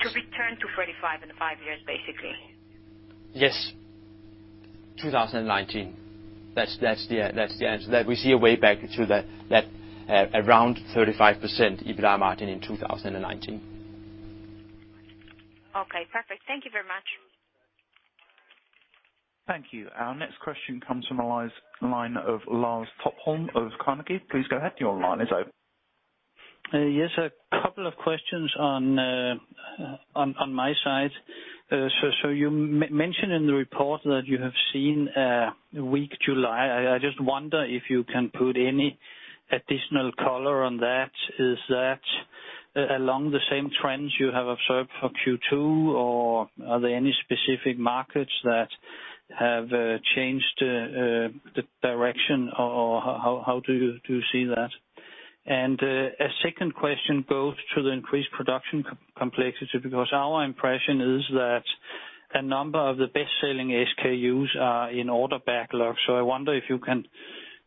to return to 35 in five years, basically. Yes. 2019. That's, that's the, that's the answer. That we see a way back to that, that around 35% EBITDA margin in 2019. Okay, perfect. Thank you very much. Thank you. Our next question comes from the line, line of Lars Topholm of Carnegie. Please go ahead. Your line is open. Yes, a couple of questions on my side. So you mentioned in the report that you have seen a weak July. I just wonder if you can put any additional color on that. Is that along the same trends you have observed for Q2, or are there any specific markets that have changed the direction? Or how do you see that? And a second question goes to the increased production complexity, because our impression is that a number of the best-selling SKUs are in order backlog. So I wonder if you can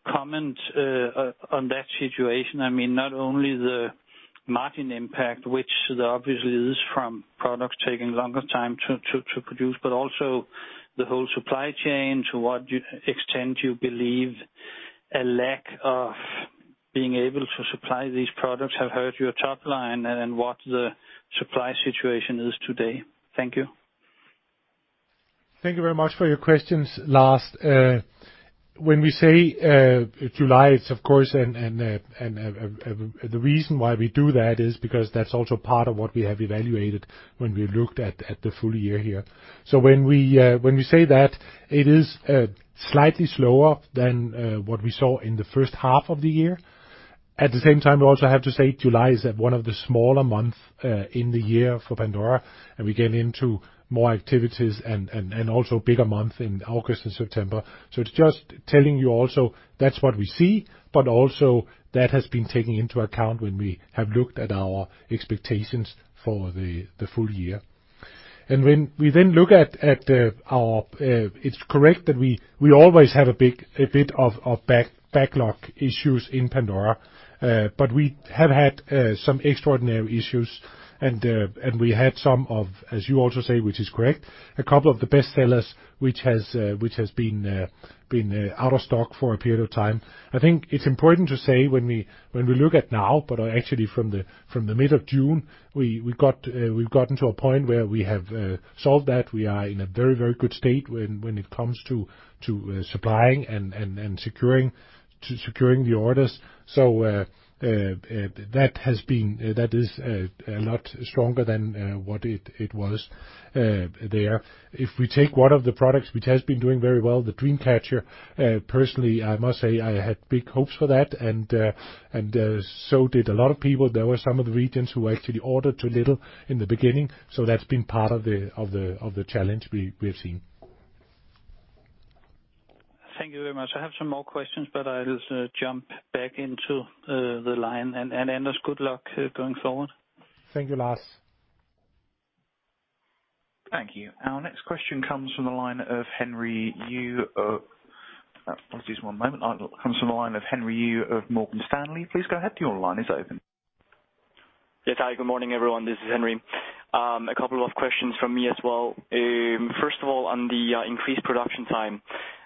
comment on that situation. I mean, not only the margin impact, which obviously is from products taking longer time to produce, but also the whole supply chain. To what extent do you believe a lack of being able to supply these products have hurt your top line, and what the supply situation is today? Thank you. Thank you very much for your questions, Lars. When we say July, it's of course the reason why we do that is because that's also part of what we have evaluated when we looked at the full year here. So when we say that, it is slightly slower than what we saw in the first half of the year. At the same time, we also have to say July is one of the smaller months in the year for Pandora, and we get into more activities and also bigger month in August and September. So it's just telling you also, that's what we see, but also that has been taken into account when we have looked at our expectations for the full year. ...And when we then look at our, it's correct that we always have a big, a bit of backlog issues in Pandora, but we have had some extraordinary issues, and we had some of, as you also say, which is correct, a couple of the best sellers, which has been out of stock for a period of time. I think it's important to say when we look at now, but actually from the mid of June, we've gotten to a point where we have solved that. We are in a very, very good state when it comes to supplying and securing the orders. So, that has been, that is, a lot stronger than what it was there. If we take one of the products, which has been doing very well, the Dreamcatcher, personally, I must say, I had big hopes for that, and so did a lot of people. There were some of the regions who actually ordered too little in the beginning, so that's been part of the challenge we have seen. Thank you very much. I have some more questions, but I'll jump back into the line, and Anders, good luck going forward. Thank you, Lars. Thank you. Our next question comes from the line of Henry Yu of... Just one moment. Comes from the line of Henry Yu of Morgan Stanley. Please go ahead, your line is open. Yes, hi, good morning, everyone. This is Henry. A couple of questions from me as well. First of all, on the increased production time,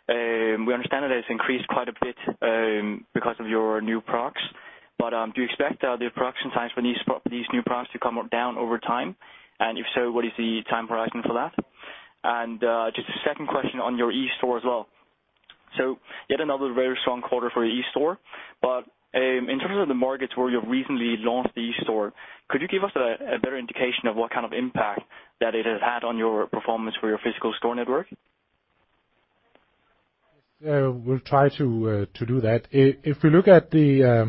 we understand that it's increased quite a bit, because of your new products, but, do you expect the production times for these new products to come down over time? And if so, what is the time horizon for that? And, just a second question on your eSTORE as well. So yet another very strong quarter for your eSTORE, but, in terms of the markets where you've recently launched the eSTORE, could you give us a better indication of what kind of impact that it has had on your performance for your physical store network? We'll try to do that. If we look at the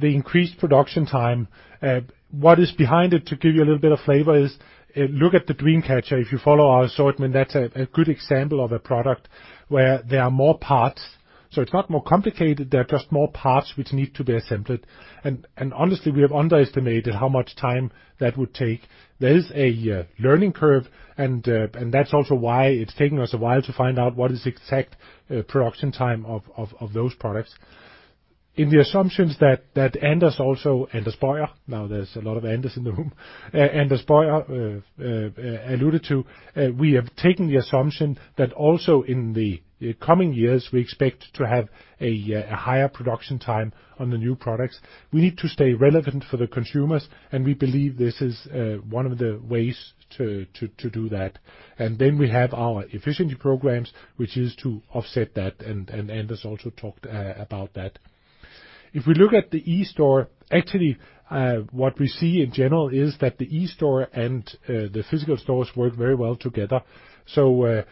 increased production time, what is behind it, to give you a little bit of flavor, is look at the Dreamcatcher. If you follow our assortment, that's a good example of a product where there are more parts. So it's not more complicated, there are just more parts which need to be assembled. And honestly, we have underestimated how much time that would take. There is a learning curve, and that's also why it's taking us a while to find out what is exact production time of those products. In the assumptions that Anders also, Anders Boyer-Søgaard—now there's a lot of Anders in the room—Anders Boyer-Søgaard alluded to, we have taken the assumption that also in the coming years, we expect to have a higher production time on the new products. We need to stay relevant for the consumers, and we believe this is one of the ways to do that. And then we have our efficiency programs, which is to offset that, and Anders also talked about that. If we look at the eSTORE, actually, what we see in general is that the eSTORE and the physical stores work very well together. So,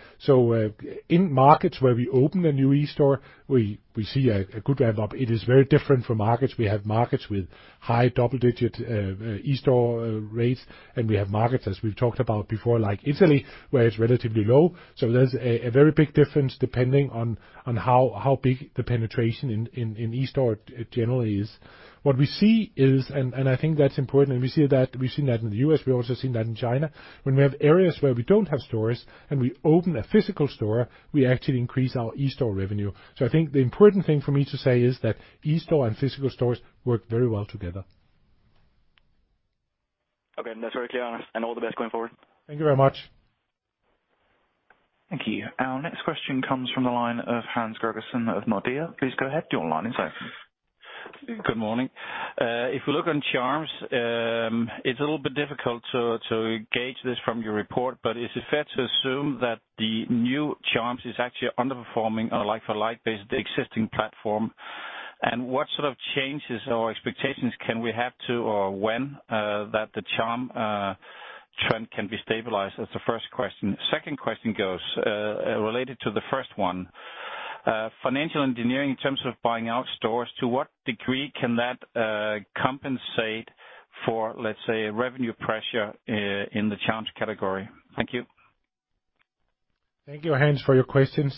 in markets where we open a new eSTORE, we see a good ramp-up. It is very different from markets. We have markets with high double-digit eSTORE rates, and we have markets, as we've talked about before, like Italy, where it's relatively low. So there's a very big difference depending on how big the penetration in eSTORE generally is. What we see is, and I think that's important, and we see that we've seen that in the US, we've also seen that in China, when we have areas where we don't have stores, and we open a physical store, we actually increase our eSTORE revenue. So I think the important thing for me to say is that eSTORE and physical stores work very well together. Okay, that's very clear, Anders, and all the best going forward. Thank you very much. Thank you. Our next question comes from the line of Hans Gregersen of Nordea. Please go ahead, your line is open. Good morning. If we look on charms, it's a little bit difficult to gauge this from your report, but is it fair to assume that the new charms is actually underperforming on a like-for-like basis, the existing platform? And what sort of changes or expectations can we have to or when that the charm trend can be stabilized? That's the first question. Second question goes, related to the first one, financial engineering in terms of buying out stores, to what degree can that compensate for, let's say, revenue pressure in the charms category? Thank you. Thank you, Hans, for your questions.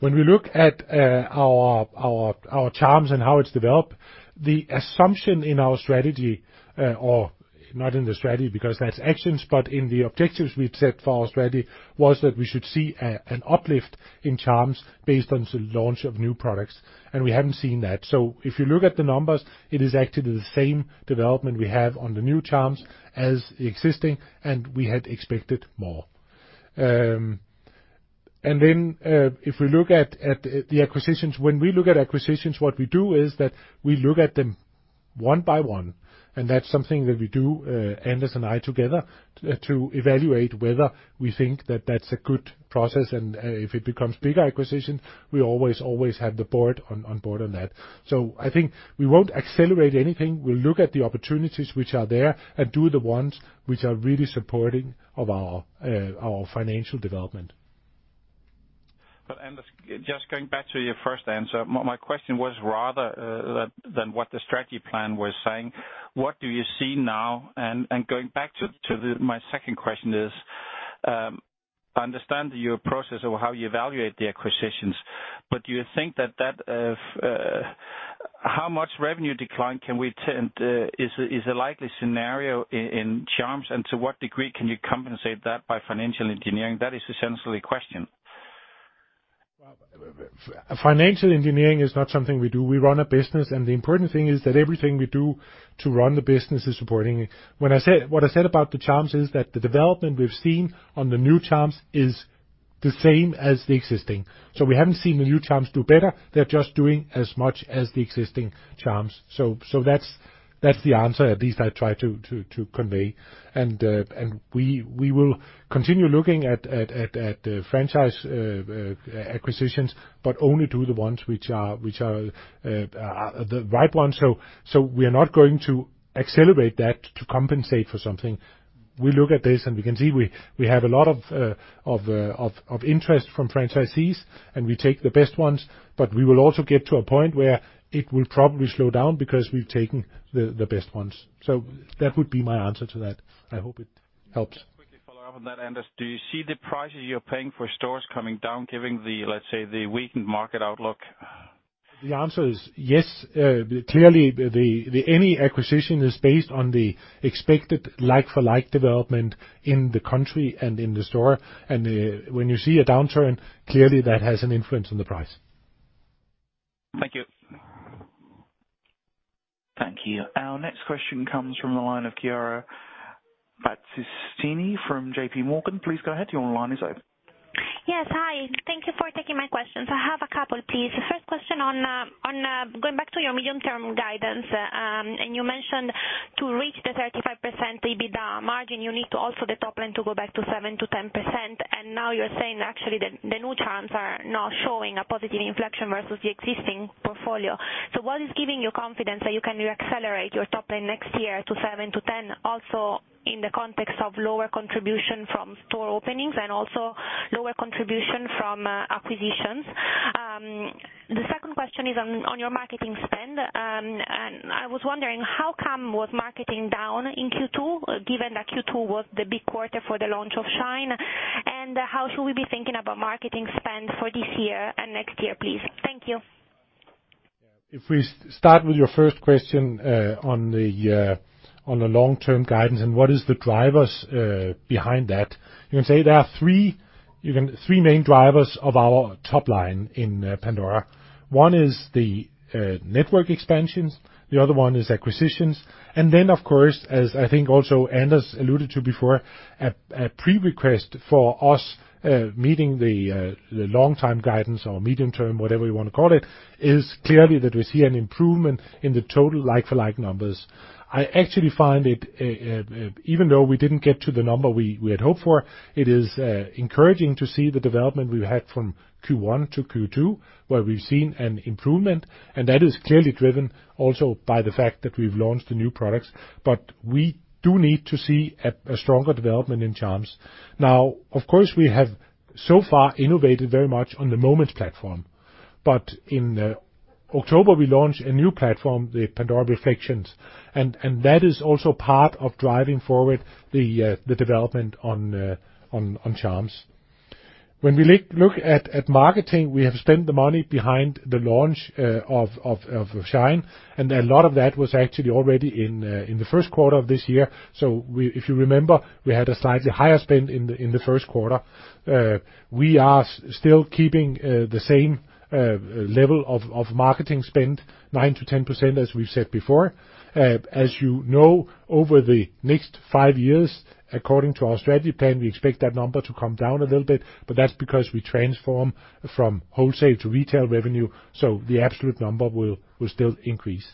When we look at our charms and how it's developed, the assumption in our strategy, or not in the strategy, because that's actions, but in the objectives we've set for our strategy, was that we should see an uplift in charms based on the launch of new products, and we haven't seen that. So if you look at the numbers, it is actually the same development we have on the new charms as existing, and we had expected more. And then, if we look at, at the acquisitions, when we look at acquisitions, what we do is that we look at them one by one, and that's something that we do, Anders and I together, to evaluate whether we think that that's a good process, and, if it becomes bigger acquisition, we always, always have the board on, on board on that. So I think we won't accelerate anything. We'll look at the opportunities which are there and do the ones which are really supporting of our, our financial development. But Anders, just going back to your first answer, my question was rather than what the strategy plan was saying, what do you see now? And going back to my second question, I understand your process of how you evaluate the acquisitions, but do you think that how much revenue decline can we expect is a likely scenario in charms, and to what degree can you compensate that by financial engineering? That is essentially the question. Well, financial engineering is not something we do. We run a business, and the important thing is that everything we do to run the business is supporting it. When I said what I said about the charms is that the development we've seen on the new charms is the same as the existing. So we haven't seen the new charms do better, they're just doing as much as the existing charms. So that's the answer, at least I try to convey. And we will continue looking at the franchise acquisitions, but only do the ones which are the right ones. So we are not going to accelerate that to compensate for something. We look at this, and we can see we have a lot of interest from franchisees, and we take the best ones, but we will also get to a point where it will probably slow down because we've taken the best ones. So that would be my answer to that. I hope it helps. Quickly follow up on that, Anders. Do you see the prices you're paying for stores coming down, given the, let's say, weakened market outlook? The answer is yes. Clearly, any acquisition is based on the expected like-for-like development in the country and in the store. When you see a downturn, clearly that has an influence on the price. Thank you. Thank you. Our next question comes from the line of Chiara Battistini from J.P. Morgan. Please go ahead, your line is open. Yes, hi. Thank you for taking my questions. I have a couple, please. The first question on going back to your medium-term guidance, and you mentioned to reach the 35% EBITDA margin, you need to also the top line to go back to 7%-10%, and now you're saying actually, the new charms are not showing a positive inflection versus the existing portfolio. So what is giving you confidence that you can reaccelerate your top line next year to 7%-10%, also in the context of lower contribution from store openings and also lower contribution from acquisitions? The second question is on your marketing spend, and I was wondering, how come was marketing down in Q2, given that Q2 was the big quarter for the launch of Shine? How should we be thinking about marketing spend for this year and next year, please? Thank you. If we start with your first question, on the long-term guidance and what is the drivers behind that, you can say there are three, even three main drivers of our top line in Pandora. One is the network expansions, the other one is acquisitions, and then, of course, as I think also Anders alluded to before, a prerequisite for us meeting the long-term guidance or medium-term, whatever you want to call it, is clearly that we see an improvement in the total like-for-like numbers. I actually find it, even though we didn't get to the number we had hoped for, it is encouraging to see the development we've had from Q1 to Q2, where we've seen an improvement, and that is clearly driven also by the fact that we've launched the new products. But we do need to see a stronger development in charms. Now, of course, we have so far innovated very much on the Moments platform, but in October, we launched a new platform, the Pandora Reflexions, and that is also part of driving forward the development on charms. When we look at marketing, we have spent the money behind the launch of Shine, and a lot of that was actually already in the first quarter of this year. So if you remember, we had a slightly higher spend in the first quarter. We are still keeping the same level of marketing spend, 9%-10%, as we've said before. As you know, over the next five years, according to our strategy plan, we expect that number to come down a little bit, but that's because we transform from wholesale to retail revenue, so the absolute number will, will still increase.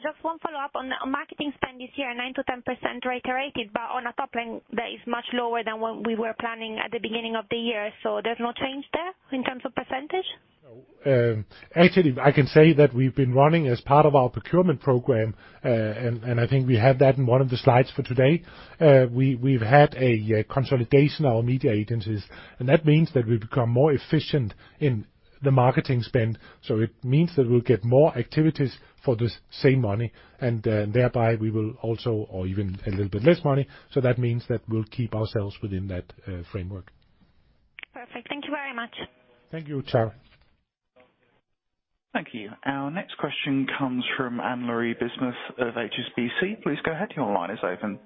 Thank you, Anders. Maybe just one follow-up on the marketing spend this year, 9%-10% rate, but on a top line that is much lower than what we were planning at the beginning of the year. There's no change there in terms of percentage? No. Actually, I can say that we've been running as part of our procurement program, and I think we had that in one of the slides for today. We've had a consolidation of our media agencies, and that means that we've become more efficient in the marketing spend. So it means that we'll get more activities for the same money, and thereby we will also... or even a little bit less money, so that means that we'll keep ourselves within that framework. Perfect. Thank you very much. Thank you, Chiara. Thank you. Our next question comes from Anne-Laure Bismuth of HSBC. Please go ahead. Your line is open.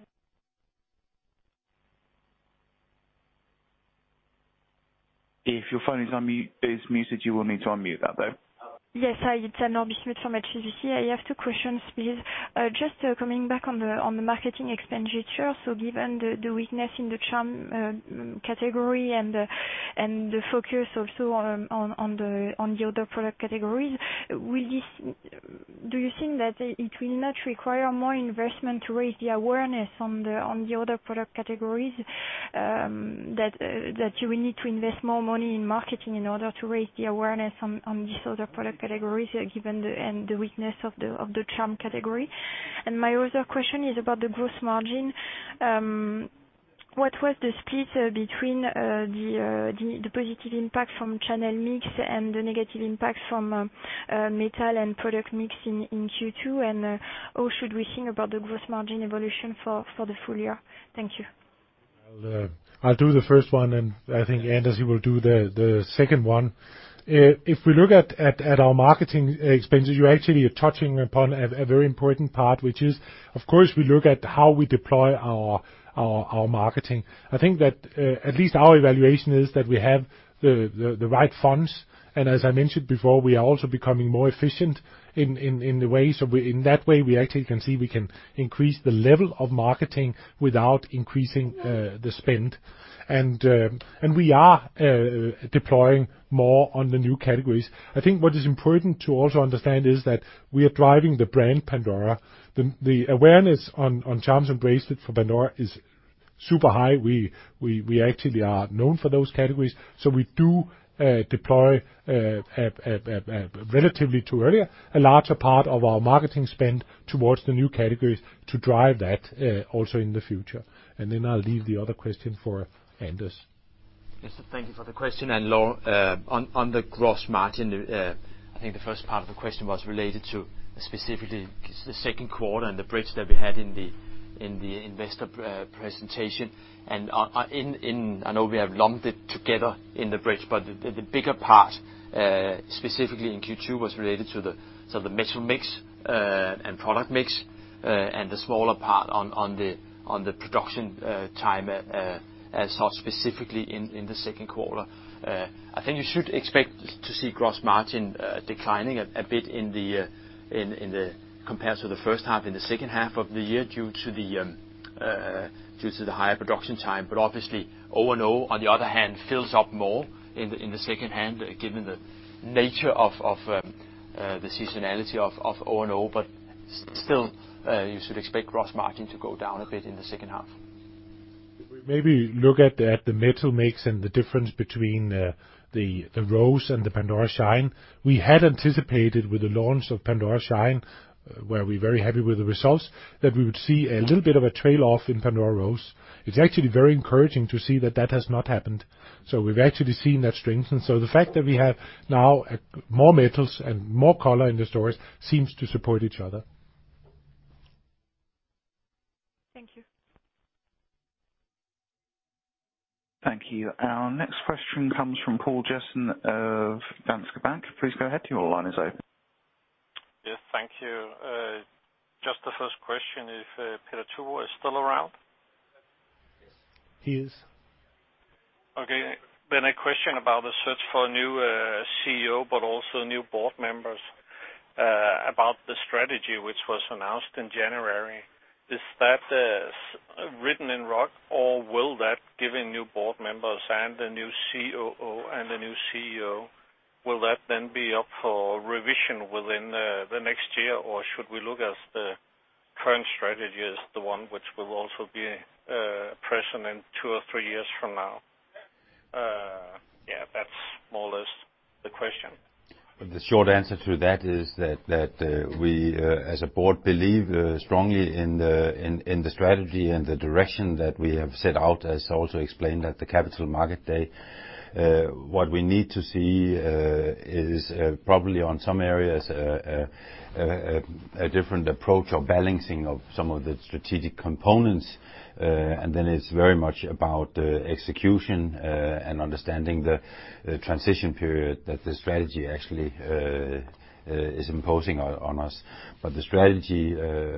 If your phone is muted, you will need to unmute that, though. Yes, hi, it's Anne-Laure Bismuth from HSBC. I have two questions, please. Just coming back on the marketing expenditure, so given the weakness in the charm category and the focus also on the other product categories, will this... Do you think that it will not require more investment to raise the awareness on the other product categories? That you will need to invest more money in marketing in order to raise the awareness on these other product categories, given the weakness of the charm category? And my other question is about the gross margin... What was the split between the positive impact from channel mix and the negative impact from metal and product mix in Q2? How should we think about the gross margin evolution for the full year? Thank you. I'll do the first one, and I think Anders, he will do the second one. If we look at our marketing expenses, you actually are touching upon a very important part, which is, of course, we look at how we deploy our marketing. I think that at least our evaluation is that we have the right funds, and as I mentioned before, we are also becoming more efficient in the way. So we, in that way, we actually can see we can increase the level of marketing without increasing the spend. And we are deploying more on the new categories. I think what is important to also understand is that we are driving the brand Pandora. The awareness on charms and bracelets for Pandora is super high. We actually are known for those categories, so we do deploy a relatively to earlier a larger part of our marketing spend towards the new categories to drive that also in the future. And then I'll leave the other question for Anders. Yes, so thank you for the question. Lars, on the gross margin, I think the first part of the question was related to specifically the second quarter and the bridge that we had in the investor presentation. I know we have lumped it together in the bridge, but the bigger part, specifically in Q2, was related to the so the metal mix and product mix, and the smaller part on the production time, as we saw specifically in the second quarter. I think you should expect to see gross margin declining a bit in the compared to the first half and the second half of the year, due to the higher production time. But obviously, O&O, on the other hand, fills up more in the second half, given the nature of the seasonality of O&O. But still, you should expect gross margin to go down a bit in the second half. Maybe look at that, the metal mix and the difference between the Rose and the Pandora Shine. We had anticipated with the launch of Pandora Shine, where we're very happy with the results, that we would see a little bit of a trail off in Pandora Rose. It's actually very encouraging to see that that has not happened. So we've actually seen that strengthen. So the fact that we have now more metals and more color in the stores seems to support each other. Thank you. Thank you. Our next question comes from Poul Jessen of Danske Bank. Please go ahead, your line is open. Yes, thank you. Just the first question, if Peder Tuborgh is still around? Yes, he is. Okay, then a question about the search for a new CEO, but also new board members, about the strategy which was announced in January. Is that written in rock, or will that, given new board members and a new COO and a new CEO, will that then be up for revision within the next year? Or should we look as the current strategy as the one which will also be present in two or three years from now? Yeah, that's more or less the question. The short answer to that is that we as a board believe strongly in the strategy and the direction that we have set out, as also explained at the Capital Market Day. What we need to see is probably on some areas a different approach of balancing of some of the strategic components. And then it's very much about execution and understanding the transition period that the strategy actually is imposing on us. But the strategy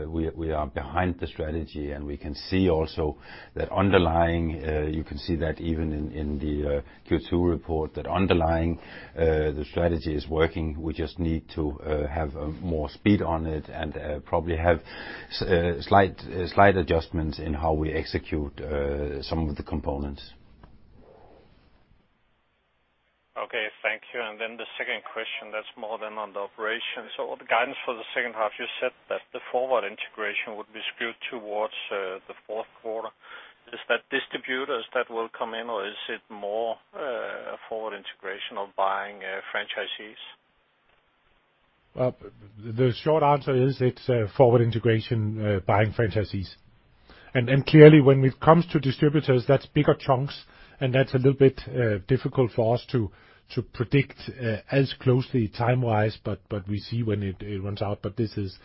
we are behind the strategy, and we can see also that underlying you can see that even in the Q2 report, that underlying the strategy is working. We just need to have more speed on it and probably have slight adjustments in how we execute some of the components. Okay, thank you. And then the second question, that's more than on the operation. So the guidance for the second half, you said that the forward integration would be skewed towards, the fourth quarter. Is that distributors that will come in, or is it more, forward integration of buying, franchisees? Well, the short answer is it's forward integration, buying franchisees. And clearly, when it comes to distributors, that's bigger chunks, and that's a little bit difficult for us to predict as closely time-wise, but we see when it runs out, but this is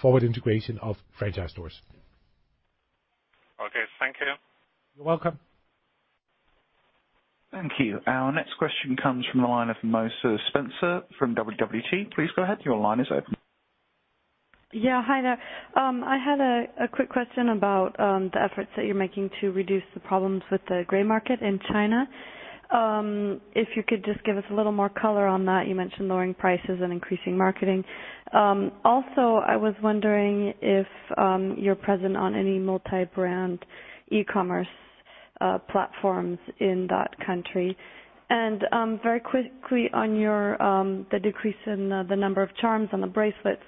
forward integration of franchise stores. Okay, thank you. You're welcome. Thank you. Our next question comes from the line of Mimosa Spencer from WWD. Please go ahead, your line is open. Yeah, hi there. I had a quick question about the efforts that you're making to reduce the problems with the gray market in China. If you could just give us a little more color on that. You mentioned lowering prices and increasing marketing. Also, I was wondering if you're present on any multi-brand e-commerce platforms in that country? And, very quickly on the decrease in the number of charms on the bracelets,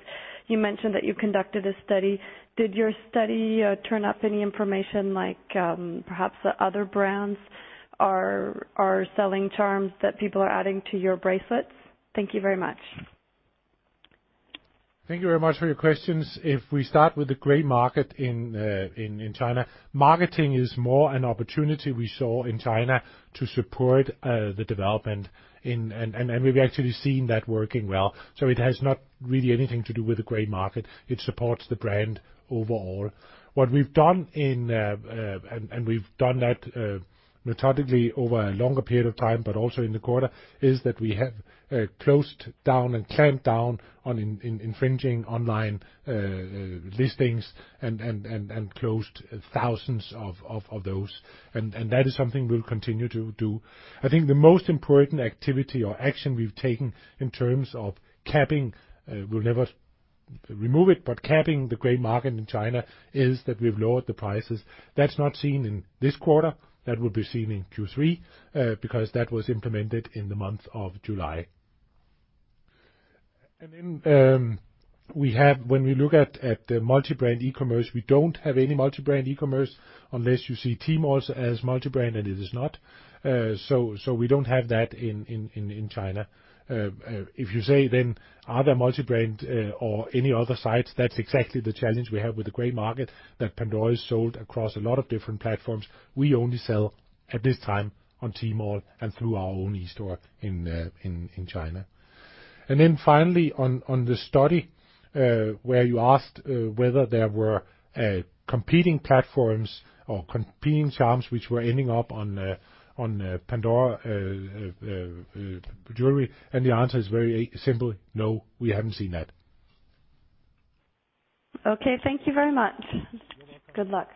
you mentioned that you conducted a study. Did your study turn up any information like, perhaps the other brands are selling charms that people are adding to your bracelets? Thank you very much. ...Thank you very much for your questions. If we start with the gray market in China, marketing is more an opportunity we saw in China to support the development in, and we've actually seen that working well. So it has not really anything to do with the gray market. It supports the brand overall. What we've done, and we've done that methodically over a longer period of time, but also in the quarter, is that we have closed down and clamped down on infringing online listings, and closed thousands of those. That is something we'll continue to do. I think the most important activity or action we've taken in terms of capping, we'll never remove it, but capping the gray market in China is that we've lowered the prices. That's not seen in this quarter. That will be seen in Q3, because that was implemented in the month of July. And then, we have, when we look at the multi-brand e-commerce, we don't have any multi-brand e-commerce unless you see Tmall as multi-brand, and it is not. So, we don't have that in China. If you say then other multi-brand or any other sites, that's exactly the challenge we have with the gray market, that Pandora is sold across a lot of different platforms. We only sell, at this time, on Tmall and through our own eSTORE in China. And then finally, on the study where you asked whether there were competing platforms or competing charms which were ending up on Pandora jewelry, and the answer is very simple: No, we haven't seen that. Okay, thank you very much. Good luck.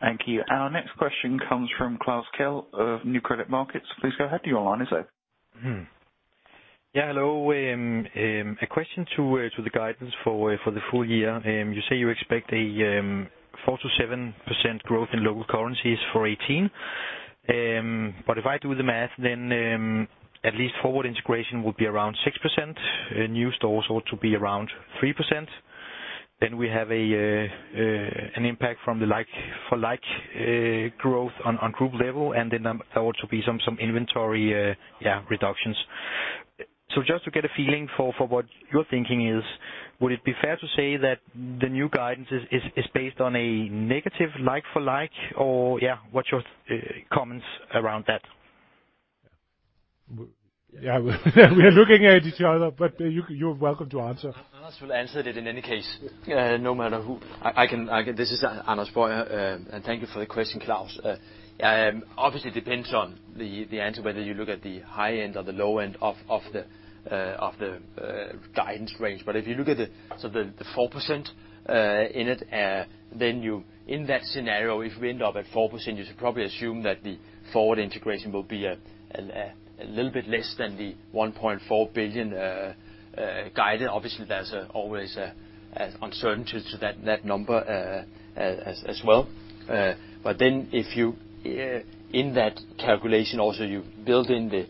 Thank you. Our next question comes from Klaus Kehl of Nykredit Markets. Please go ahead. You're online, is that? Yeah, hello. A question to the guidance for the full year. You say you expect a 4%-7% growth in local currencies for 2018. But if I do the math, then at least forward integration would be around 6%, and new stores ought to be around 3%. Then we have an impact from the like-for-like growth on group level, and then there ought to be some inventory reductions. So just to get a feeling for what your thinking is, would it be fair to say that the new guidance is based on a negative like-for-like? Or, what's your comments around that? Yeah. We are looking at each other, but you, you're welcome to answer. Anders will answer it in any case, no matter who. This is Anders Boyer, and thank you for the question, Klaus. Obviously, it depends on the answer, whether you look at the high end or the low end of the guidance range. But if you look at the sort of the 4% in it, then you, in that scenario, if we end up at 4%, you should probably assume that the forward integration will be a little bit less than the 1.4 billion guided. Obviously, there's always an uncertainty to that number, as well. But then if you, in that calculation, also, you build in the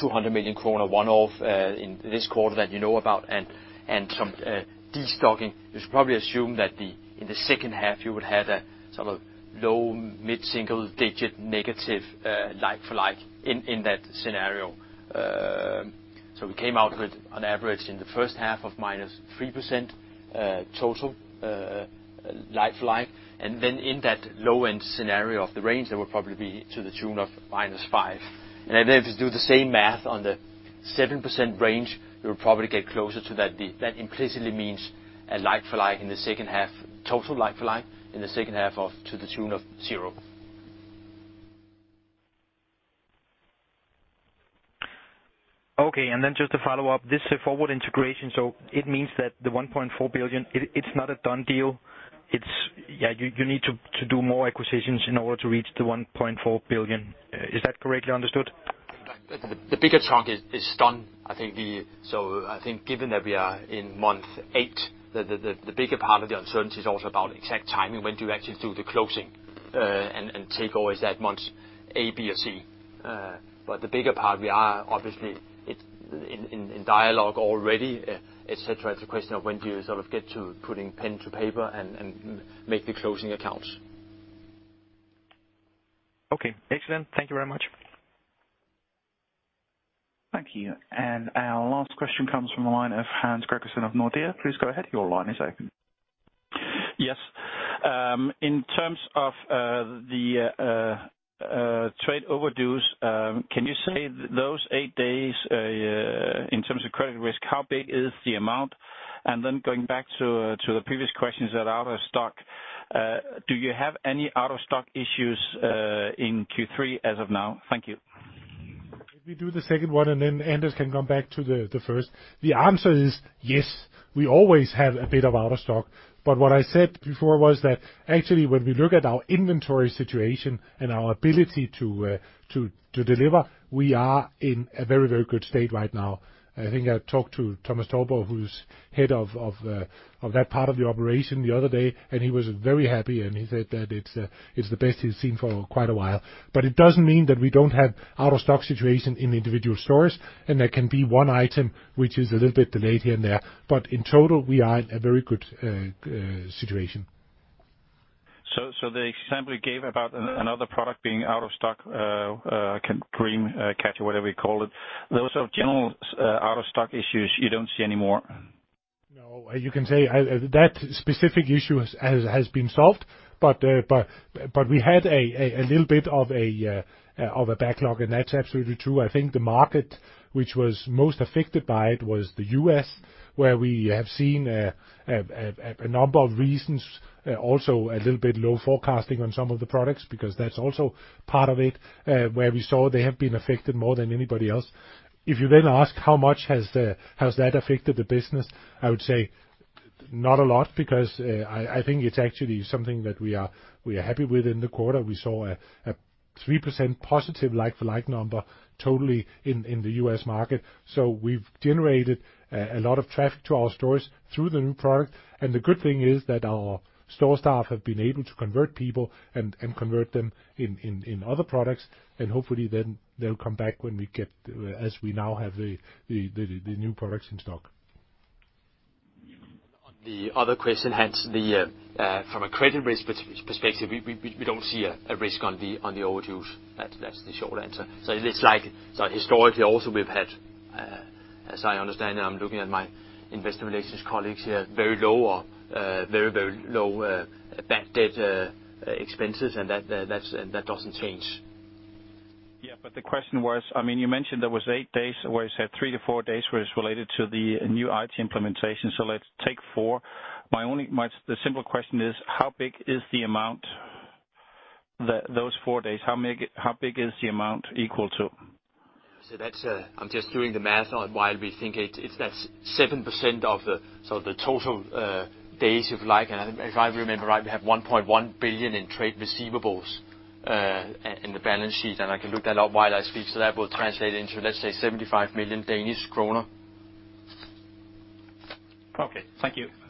200 million kroner one-off, in this quarter that you know about, and, and some, destocking, you should probably assume that the, in the second half, you would have a sort of low, mid-single digit negative, like-for-like in, in that scenario. So we came out with an average in the first half of -3%, total, like-for-like, and then in that low-end scenario of the range, that would probably be to the tune of -5. And then if you do the same math on the 7% range, you'll probably get closer to that. That implicitly means a like-for-like in the second half, total like-for-like in the second half of, to the tune of 0. Okay, and then just to follow up, this forward integration, so it means that the 1.4 billion is not a done deal? You need to do more acquisitions in order to reach the 1.4 billion. Is that correctly understood? The bigger chunk is done. I think so I think given that we are in month eight, the bigger part of the uncertainty is also about exact timing, when do you actually do the closing, and take over that markets. But the bigger part, we are obviously in dialogue already, et cetera. It's a question of when do you sort of get to putting pen to paper and make the closing accounts? Okay. Excellent. Thank you very much. Thank you. Our last question comes from the line of Hans Gregersen of Nordea. Please go ahead. Your line is open. Yes. In terms of the trade overdues, can you say those 8 days in terms of credit risk, how big is the amount? And then going back to the previous questions that are out of stock, do you have any out-of-stock issues in Q3 as of now? Thank you. If we do the second one, and then Anders can come back to the first. The answer is yes, we always have a bit of out of stock. But what I said before was that, actually, when we look at our inventory situation and our ability to deliver, we are in a very, very good state right now. I think I talked to Thomas Touborg, who's head of that part of the operation the other day, and he was very happy, and he said that it's the best he's seen for quite a while. But it doesn't mean that we don't have out-of-stock situation in individual stores, and there can be one item which is a little bit delayed here and there. But in total, we are in a very good situation. ... so the example you gave about another product being out of stock, Dreamcatcher, whatever you call it, those are general out-of-stock issues you don't see anymore? No, you can say that specific issue has been solved. But we had a little bit of a backlog, and that's absolutely true. I think the market, which was most affected by it, was the US, where we have seen a number of reasons, also a little bit low forecasting on some of the products, because that's also part of it, where we saw they have been affected more than anybody else. If you then ask how much has that affected the business? I would say not a lot, because I think it's actually something that we are happy with. In the quarter, we saw a 3% positive like-for-like number totally in the US market. So we've generated a lot of traffic to our stores through the new product, and the good thing is that our store staff have been able to convert people and convert them in other products, and hopefully then they'll come back when we get, as we now have the new products in stock. On the other question, Hans, from a credit risk perspective, we don't see a risk on the overdues. That's the short answer. So it's like, so historically, also, we've had, as I understand, and I'm looking at my Investor Relations colleagues here, very low or very, very low bad debt expenses, and that's, and that doesn't change. Yeah, but the question was, I mean, you mentioned there was 8 days, where you said 3-4 days, where it's related to the new IT implementation. So let's take 4. My only... The simple question is: How big is the amount that those 4 days, how big, how big is the amount equal to? So that's, I'm just doing the math on while we think it, it's, that's 7% of the, so the total, days, if you like, and if I remember right, we have 1.1 billion in trade receivables in the balance sheet, and I can look that up while I speak, so that will translate into, let's say, 75 million Danish kroner. Okay. Thank you.